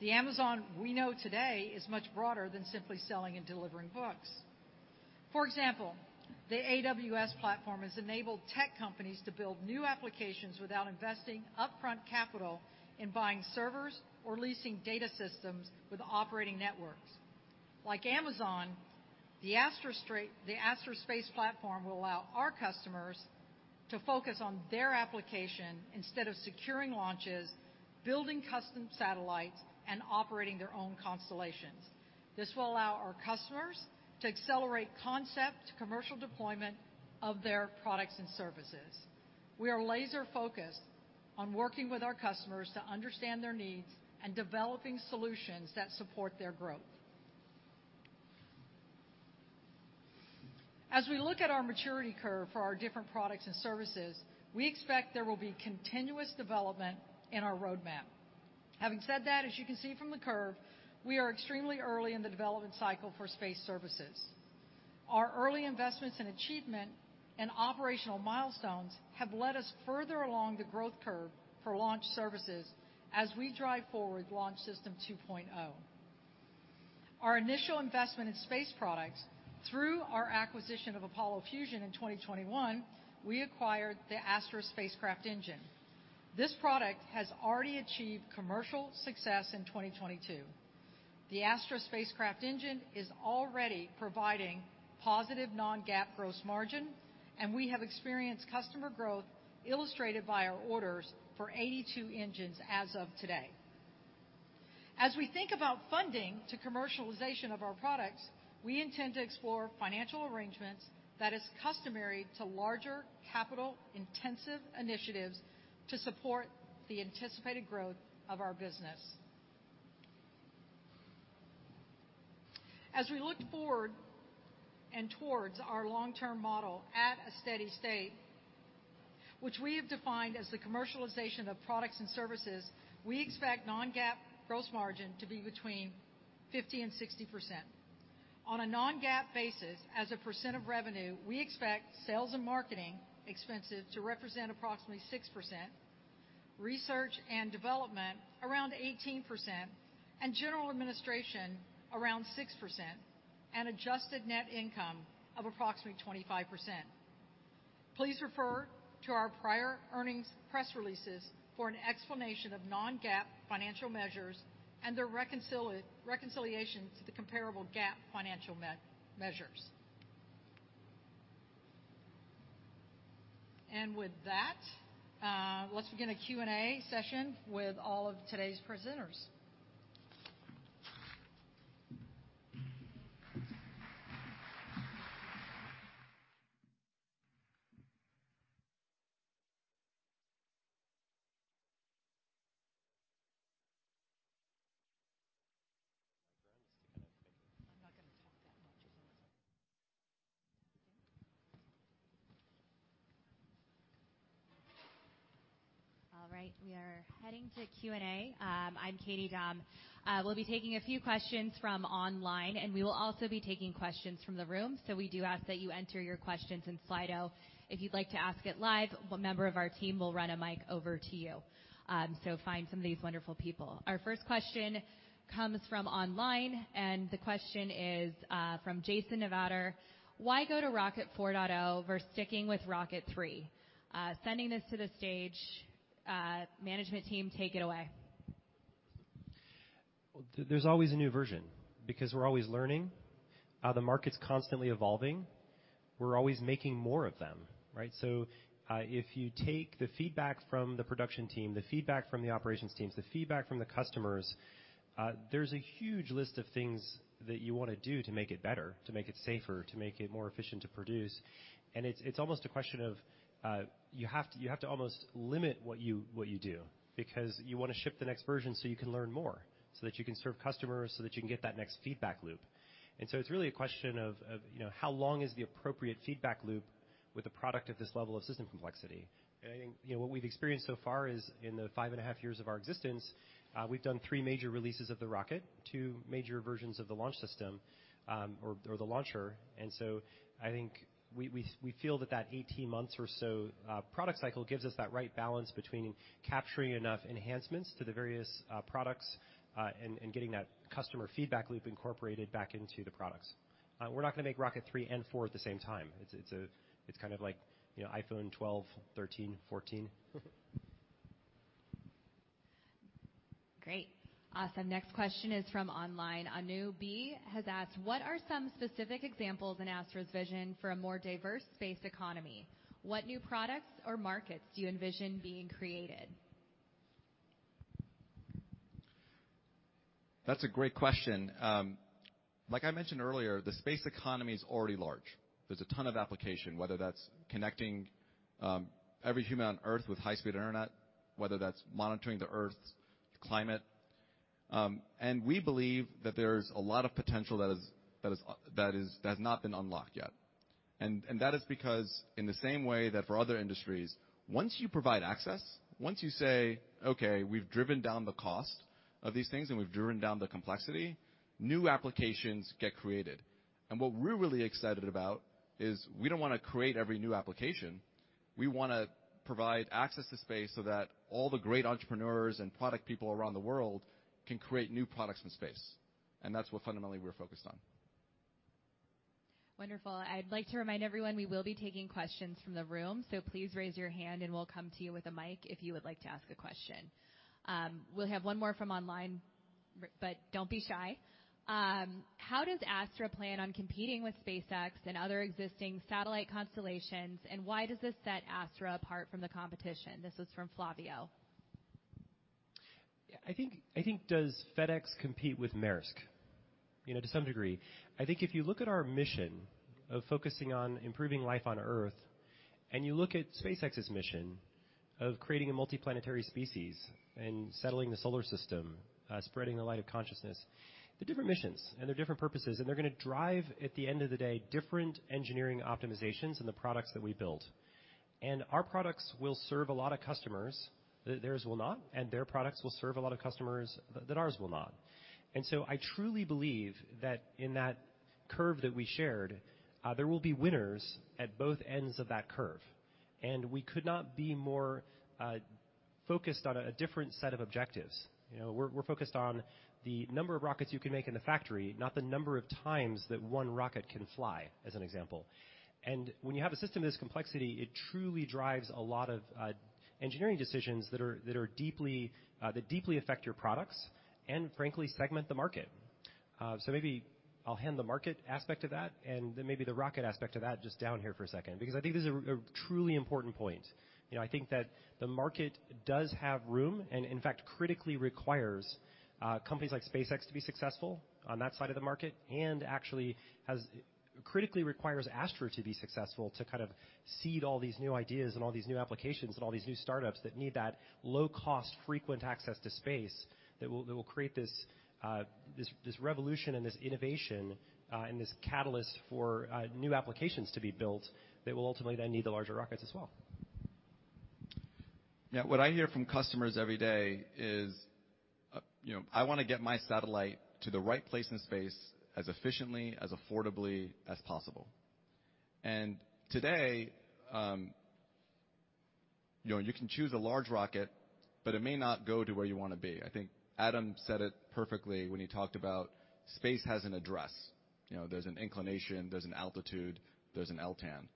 the Amazon we know today is much broader than simply selling and delivering books. For example, the AWS platform has enabled tech companies to build new applications without investing upfront capital in buying servers or leasing data systems with operating networks. Like Amazon, the Astra space platform will allow our customers to focus on their application instead of securing launches, building custom satellites, and operating their own constellations. This will allow our customers to accelerate concept commercial deployment of their products and services. We are laser-focused on working with our customers to understand their needs and developing solutions that support their growth. As we look at our maturity curve for our different products and services, we expect there will be continuous development in our roadmap. Having said that, as you can see from the curve, we are extremely early in the development cycle for space services. Our early investments and achievement and operational milestones have led us further along the growth curve for launch services as we drive forward Launch System 2.0. Our initial investment in space products through our acquisition of Apollo Fusion in 2021, we acquired the Astra Spacecraft Engine. This product has already achieved commercial success in 2022. The Astra Spacecraft Engine is already providing positive non-GAAP gross margin, and we have experienced customer growth illustrated by our orders for 82 engines as of today. As we think about funding to commercialization of our products, we intend to explore financial arrangements that is customary to larger capital-intensive initiatives to support the anticipated growth of our business. As we look forward and towards our long-term model at a steady state, which we have defined as the commercialization of products and services, we expect non-GAAP gross margin to be between 50%-60%. On a non-GAAP basis as a percent of revenue, we expect sales and marketing expenses to represent approximately 6%, research and development around 18% and general administration around 6% and adjusted net income of approximately 25%. Please refer to our prior earnings press releases for an explanation of non-GAAP financial measures and their reconciliation to the comparable GAAP financial measures. With that, let's begin a Q&A session with all of today's presenters. Just to kind of I'm not gonna talk that much. All right. We are heading to Q&A. I'm Kati Dahm. We'll be taking a few questions from online, and we will also be taking questions from the room, so we do ask that you enter your questions in Slido. If you'd like to ask it live, a member of our team will run a mic over to you. Find some of these wonderful people. Our first question comes from online and the question is, from Jason Nevader, "Why go to Rocket 4.0 versus sticking with Rocket three?" Sending this to the stage. Management team, take it away. Well, there's always a new version because we're always learning. The market's constantly evolving. We're always making more of them, right? If you take the feedback from the production team, the feedback from the operations teams, the feedback from the customers, there's a huge list of things that you wanna do to make it better, to make it safer, to make it more efficient to produce. It's almost a question of, you have to almost limit what you do because you wanna ship the next version so you can learn more, so that you can serve customers, so that you can get that next feedback loop. It's really a question of, you know, how long is the appropriate feedback loop with a product at this level of system complexity. I think, you know, what we've experienced so far is in the 5.5 years of our existence, we've done three major releases of the rocket, two major versions of the launch system, or the launcher. I think we feel that 18 months or so product cycle gives us that right balance between capturing enough enhancements to the various products and getting that customer feedback loop incorporated back into the products. We're not gonna make Rocket three and four at the same time. It's kind of like, you know, iPhone 12, 13, 14. Great. Awesome. Next question is from online. Anu B has asked, "What are some specific examples in Astra's vision for a more diverse space economy? What new products or markets do you envision being created? That's a great question. Like I mentioned earlier, the space economy is already large. There's a ton of application, whether that's connecting every human on Earth with high-speed internet, whether that's monitoring the Earth's climate. We believe that there's a lot of potential that has not been unlocked yet. That is because in the same way that for other industries, once you provide access, once you say, "Okay, we've driven down the cost of these things, and we've driven down the complexity," new applications get created. What we're really excited about is we don't wanna create every new application. We wanna provide access to space so that all the great entrepreneurs and product people around the world can create new products in space. That's what fundamentally we're focused on. Wonderful. I'd like to remind everyone, we will be taking questions from the room, so please raise your hand and we'll come to you with a mic if you would like to ask a question. We'll have one more from online but don't be shy. "How does Astra plan on competing with SpaceX and other existing satellite constellations, and why does this set Astra apart from the competition?" This was from Flavio. I think, does FedEx compete with Maersk? You know, to some degree. I think if you look at our mission of focusing on improving life on Earth, and you look at SpaceX's mission of creating a multi-planetary species and settling the solar system, spreading the light of consciousness, they're different missions, and they're different purposes, and they're gonna drive, at the end of the day, different engineering optimizations in the products that we build. Our products will serve a lot of customers that theirs will not, and their products will serve a lot of customers that ours will not. I truly believe that in that curve that we shared, there will be winners at both ends of that curve. We could not be more focused on a different set of objectives. You know, we're focused on the number of rockets you can make in the factory, not the number of times that one rocket can fly, as an example. When you have a system of this complexity, it truly drives a lot of engineering decisions that deeply affect your products, and frankly, segment the market. Maybe I'll hand the market aspect of that and then maybe the rocket aspect of that just down here for a second, because I think this is a truly important point. You know, I think that the market does have room, and in fact, critically requires companies like SpaceX to be successful on that side of the market, and actually has Critically requires Astra to be successful to kind of seed all these new ideas and all these new applications and all these new startups that need that low-cost, frequent access to space that will create this revolution and this innovation and this catalyst for new applications to be built that will ultimately then need the larger rockets as well. Yeah. What I hear from customers every day is, you know, "I wanna get my satellite to the right place in space as efficiently, as affordably as possible." Today, you know, you can choose a large rocket, but it may not go to where you wanna be. I think Adam said it perfectly when he talked about space has an address. You know, there's an inclination, there's an altitude, there's an LTAN.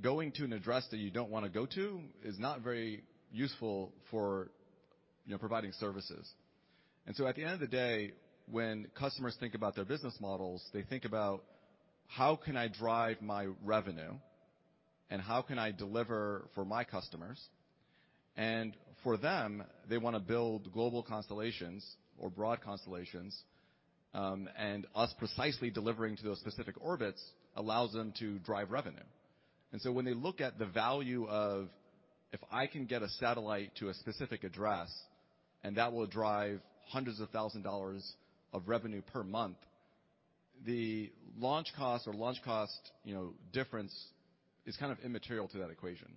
Going to an address that you don't wanna go to is not very useful for, you know, providing services. At the end of the day, when customers think about their business models, they think about, "How can I drive my revenue, and how can I deliver for my customers?" For them, they wanna build global constellations or broad constellations, and us precisely delivering to those specific orbits allows them to drive revenue. When they look at the value of, if I can get a satellite to a specific address, and that will drive $100s of thousands of revenue per month, the launch cost difference, you know, is kind of immaterial to that equation.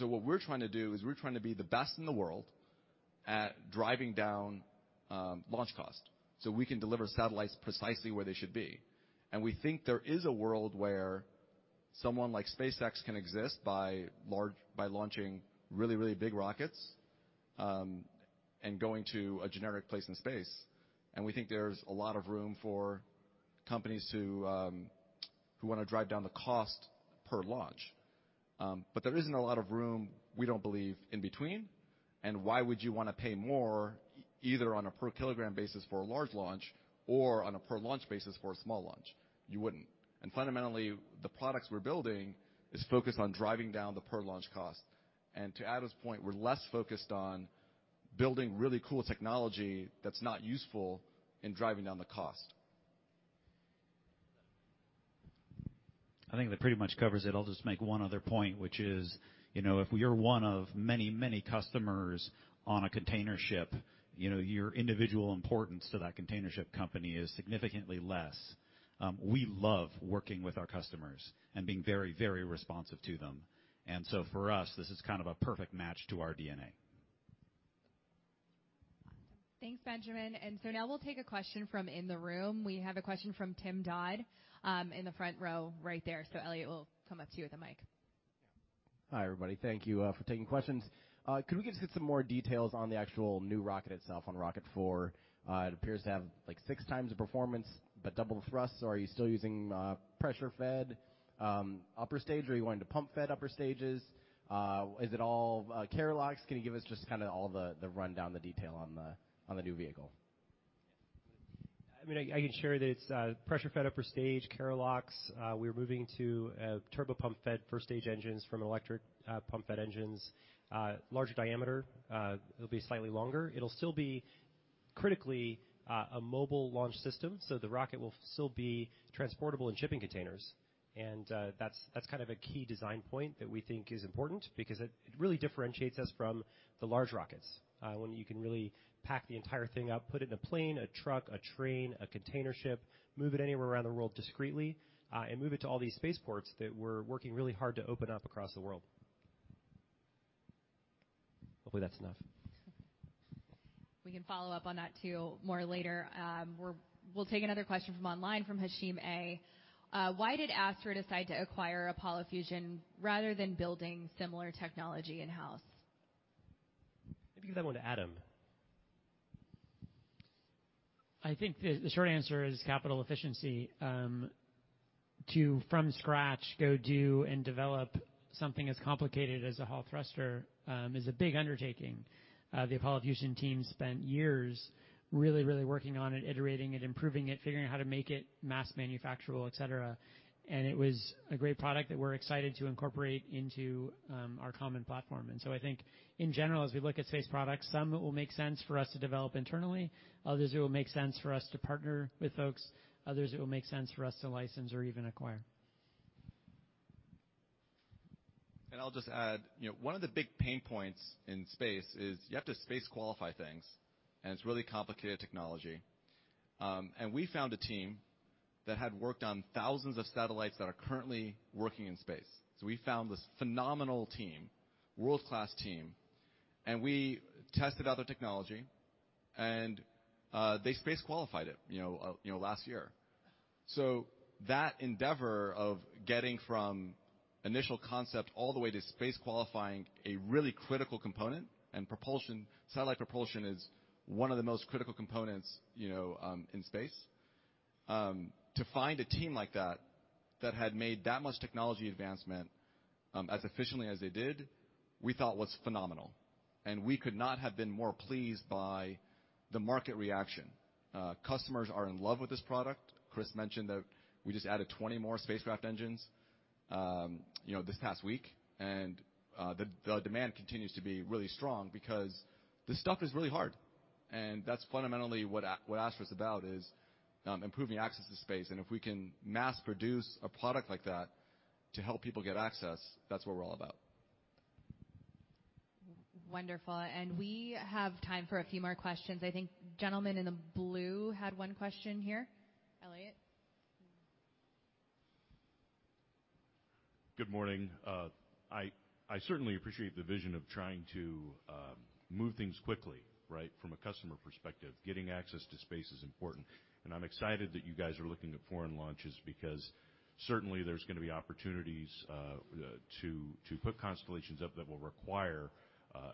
What we're trying to do is we're trying to be the best in the world at driving down launch cost, so we can deliver satellites precisely where they should be. We think there is a world where someone like SpaceX can exist by launching really, really big rockets, and going to a generic place in space. We think there's a lot of room for companies who wanna drive down the cost per launch. There isn't a lot of room, we don't believe, in between. Why would you wanna pay more either on a per kilogram basis for a large launch or on a per launch basis for a small launch? You wouldn't. Fundamentally, the products we're building is focused on driving down the per launch cost. To Adam's point, we're less focused on building really cool technology that's not useful in driving down the cost. I think that pretty much covers it. I'll just make one other point, which is, you know, if we are one of many, many customers on a container ship, you know, your individual importance to that container ship company is significantly less. We love working with our customers and being very, very responsive to them. For us, this is kind of a perfect match to our DNA. Thanks, Benjamin. Now we'll take a question from in the room. We have a question from Tim Dodd in the front row right there. Elliot will come up to you with the mic. Hi, everybody. Thank you for taking questions. Could we just get some more details on the actual new rocket itself, on Rocket four? It appears to have, like, six times the performance but double the thrust. Are you still using pressure fed upper stage or are you going to pump fed upper stages? Is it all kerolox? Can you give us just kinda all the rundown, the detail on the new vehicle? I mean, I can share that it's pressure-fed upper stage, kerolox. We're moving to turbopump-fed first stage engines from electric pump-fed engines. Larger diameter. It'll be slightly longer. It'll still be critically a mobile launch system, so the rocket will still be transportable in shipping containers. That's kind of a key design point that we think is important because it really differentiates us from the large rockets when you can really pack the entire thing up, put it in a plane, a truck, a train, a container ship, move it anywhere around the world discreetly, and move it to all these space ports that we're working really hard to open up across the world. Hopefully that's enough. We can follow up on that too more later. We'll take another question from online from Hashim A. Why did Astra decide to acquire Apollo Fusion rather than building similar technology in-house? Maybe give that one to Adam. I think the short answer is capital efficiency. To from scratch go do and develop something as complicated as a Hall thruster is a big undertaking. The Apollo Fusion team spent years really working on it, iterating it, improving it, figuring out how to make it mass manufacturable, et cetera. It was a great product that we're excited to incorporate into our common platform. I think in general, as we look at space products, some it will make sense for us to develop internally. Others, it will make sense for us to partner with folks. Others, it will make sense for us to license or even acquire. I'll just add, you know, one of the big pain points in space is you have to space qualify things, and it's really complicated technology. We found a team that had worked on thousands of satellites that are currently working in space. We found this phenomenal team, world-class team, and we tested out their technology, and they space qualified it, you know, last year. That endeavor of getting from initial concept all the way to space qualifying a really critical component and propulsion, satellite propulsion is one of the most critical components, you know, in space. To find a team like that that had made that much technology advancement, as efficiently as they did, we thought was phenomenal. We could not have been more pleased by the market reaction. Customers are in love with this product. Chris mentioned that we just added 20 more spacecraft engines, you know, this past week. The demand continues to be really strong because this stuff is really hard. That's fundamentally what Astra is about, is improving access to space. If we can mass produce a product like that to help people get access, that's what we're all about. Wonderful. We have time for a few more questions. I think gentleman in the blue had one question here. Elliot? Good morning. I certainly appreciate the vision of trying to move things quickly, right? From a customer perspective, getting access to space is important. I'm excited that you guys are looking at foreign launches because certainly there's gonna be opportunities to put constellations up that will require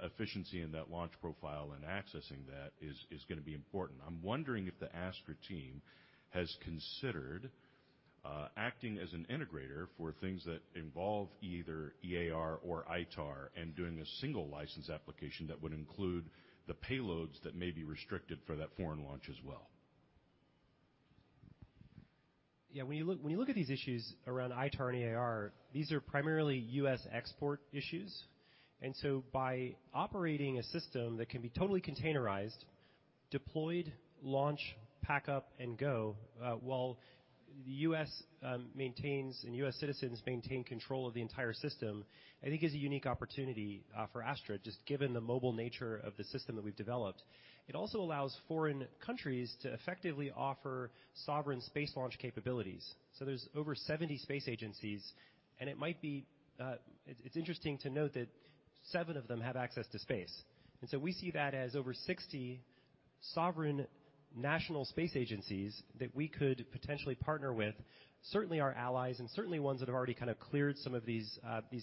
efficiency in that launch profile and accessing that is gonna be important. I'm wondering if the Astra team has considered acting as an integrator for things that involve either EAR or ITAR and doing a single license application that would include the payloads that may be restricted for that foreign launch as well. Yeah. When you look at these issues around ITAR and EAR, these are primarily U.S. export issues. By operating a system that can be totally containerized, deployed, launch, pack up and go, while the U.S. maintains and U.S. citizens maintain control of the entire system, I think is a unique opportunity for Astra, just given the mobile nature of the system that we've developed. It also allows foreign countries to effectively offer sovereign space launch capabilities. There's over 70 space agencies, and it's interesting to note that seven of them have access to space. We see that as over 60 sovereign national space agencies that we could potentially partner with, certainly our allies and certainly ones that have already kind of cleared some of these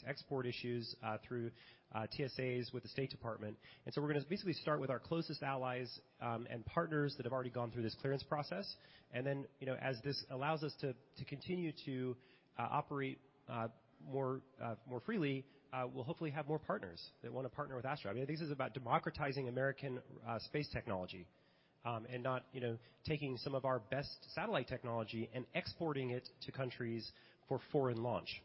export issues through TAAs with the State Department. We're gonna basically start with our closest allies and partners that have already gone through this clearance process. Then, you know, as this allows us to continue to operate more freely, we'll hopefully have more partners that wanna partner with Astra. I mean, this is about democratizing American space technology and not, you know, taking some of our best satellite technology and exporting it to countries for foreign launch.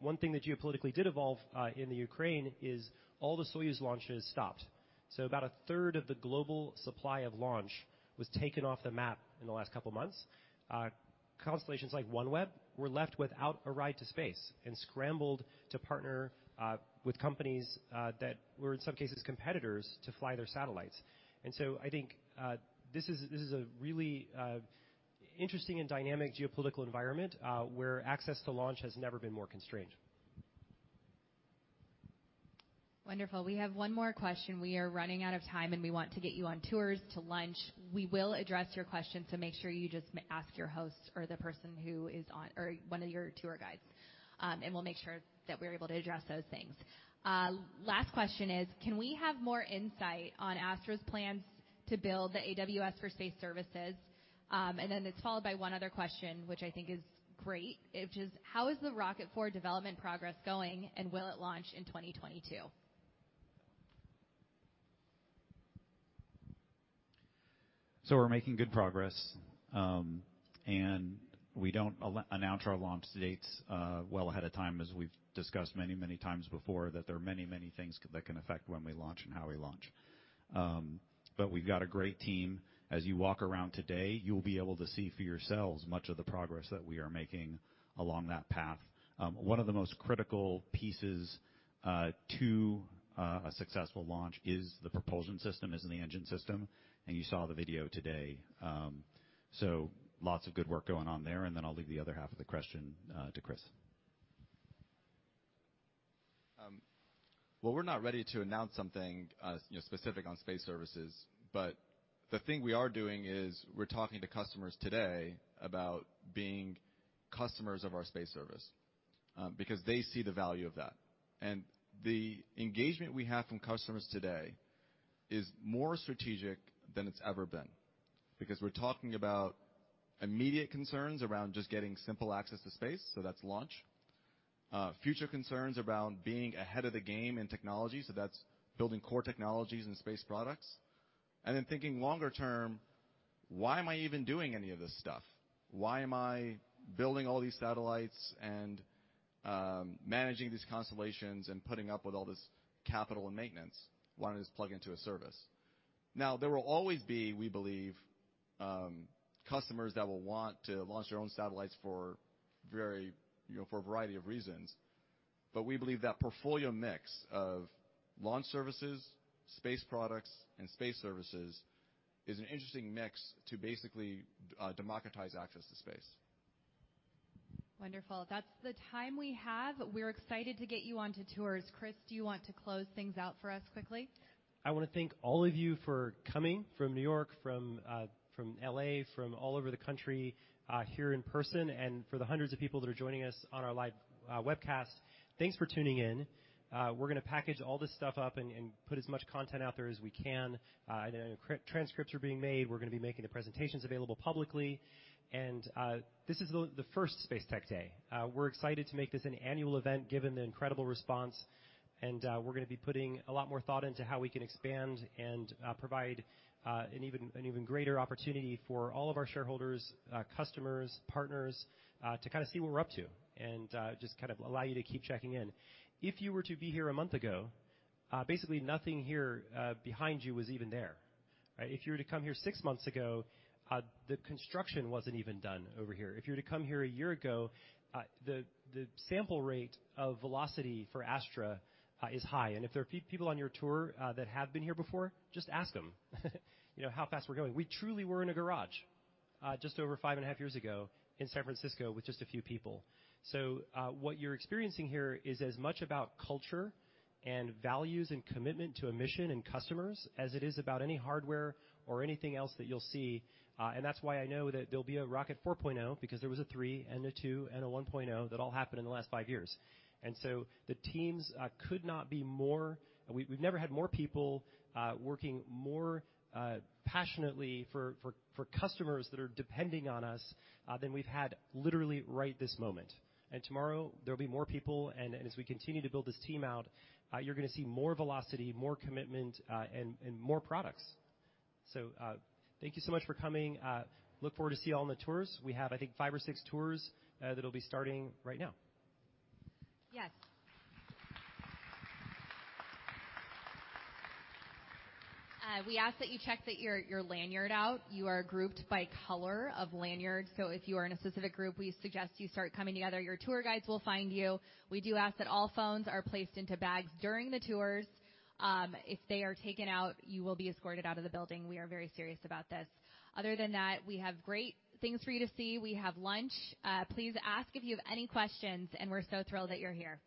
One thing that geopolitically did evolve in the Ukraine is all the Soyuz launches stopped. About a third of the global supply of launch was taken off the map in the last couple of months. Constellations like OneWeb were left without a ride to space and scrambled to partner with companies that were in some cases competitors to fly their satellites. I think this is a really interesting and dynamic geopolitical environment where access to launch has never been more constrained. Wonderful. We have one more question. We are running out of time, and we want to get you on tours to lunch. We will address your question, so make sure you just ask your host or the person who is on or one of your tour guides. We'll make sure that we're able to address those things. Last question is can we have more insight on Astra's plans to build the AWS for space services? It's followed by one other question which I think is great. It's just, how is the Rocket four development progress going, and will it launch in 2022? We're making good progress. We don't announce our launch dates well ahead of time, as we've discussed many, many times before, that there are many, many things that can affect when we launch and how we launch. We've got a great team. As you walk around today, you'll be able to see for yourselves much of the progress that we are making along that path. One of the most critical pieces to a successful launch is the propulsion system, is in the engine system. You saw the video today. Lots of good work going on there. Then I'll leave the other half of the question to Chris. Well, we're not ready to announce something, you know, specific on space services. The thing we are doing is we're talking to customers today about being customers of our space service, because they see the value of that. The engagement we have from customers today is more strategic than it's ever been, because we're talking about immediate concerns around just getting simple access to space, so that's launch. Future concerns around being ahead of the game in technology, so that's building core technologies and space products. Then thinking longer term, why am I even doing any of this stuff? Why am I building all these satellites and managing these constellations and putting up with all this capital and maintenance? Why don't I just plug into a service? Now, there will always be, we believe, customers that will want to launch their own satellites you know, for a variety of reasons. We believe that portfolio mix of launch services, space products and space services is an interesting mix to basically democratize access to space. Wonderful. That's the time we have. We're excited to get you onto tours. Chris, do you want to close things out for us quickly? I wanna thank all of you for coming from New York, from L.A., from all over the country, here in person, and for the hundreds of people that are joining us on our live webcast. Thanks for tuning in. We're gonna package all this stuff up and put as much content out there as we can. Transcripts are being made. We're gonna be making the presentations available publicly. This is the first Spacetech Day. We're excited to make this an annual event, given the incredible response. We're gonna be putting a lot more thought into how we can expand and provide an even greater opportunity for all of our shareholders, customers, partners, to kind of see what we're up to and just kind of allow you to keep checking in. If you were to be here a month ago, basically nothing here behind you was even there, right? If you were to come here six months ago, the construction wasn't even done over here. If you were to come here a year ago, the sample rate of velocity for Astra is high. If there are people on your tour that have been here before, just ask them, you know, how fast we're going. We truly were in a garage, just over five and a half years ago in San Francisco with just a few people. What you're experiencing here is as much about culture and values and commitment to a mission and customers as it is about any hardware or anything else that you'll see. That's why I know that there'll be a Rocket 4.0, because there was a three and a two and a 1.0 that all happened in the last five years. The teams could not be more. We've never had more people working more passionately for customers that are depending on us than we've had literally right this moment. Tomorrow there'll be more people. As we continue to build this team out, you're gonna see more velocity, more commitment, and more products. Thank you so much for coming. Look forward to see you all on the tours. We have, I think, five or six tours that'll be starting right now. Yes. We ask that you check out your lanyard. You are grouped by color of lanyard. If you are in a specific group, we suggest you start coming together. Your tour guides will find you. We do ask that all phones are placed into bags during the tours. If they are taken out, you will be escorted out of the building. We are very serious about this. Other than that, we have great things for you to see. We have lunch. Please ask if you have any questions, and we're so thrilled that you're here.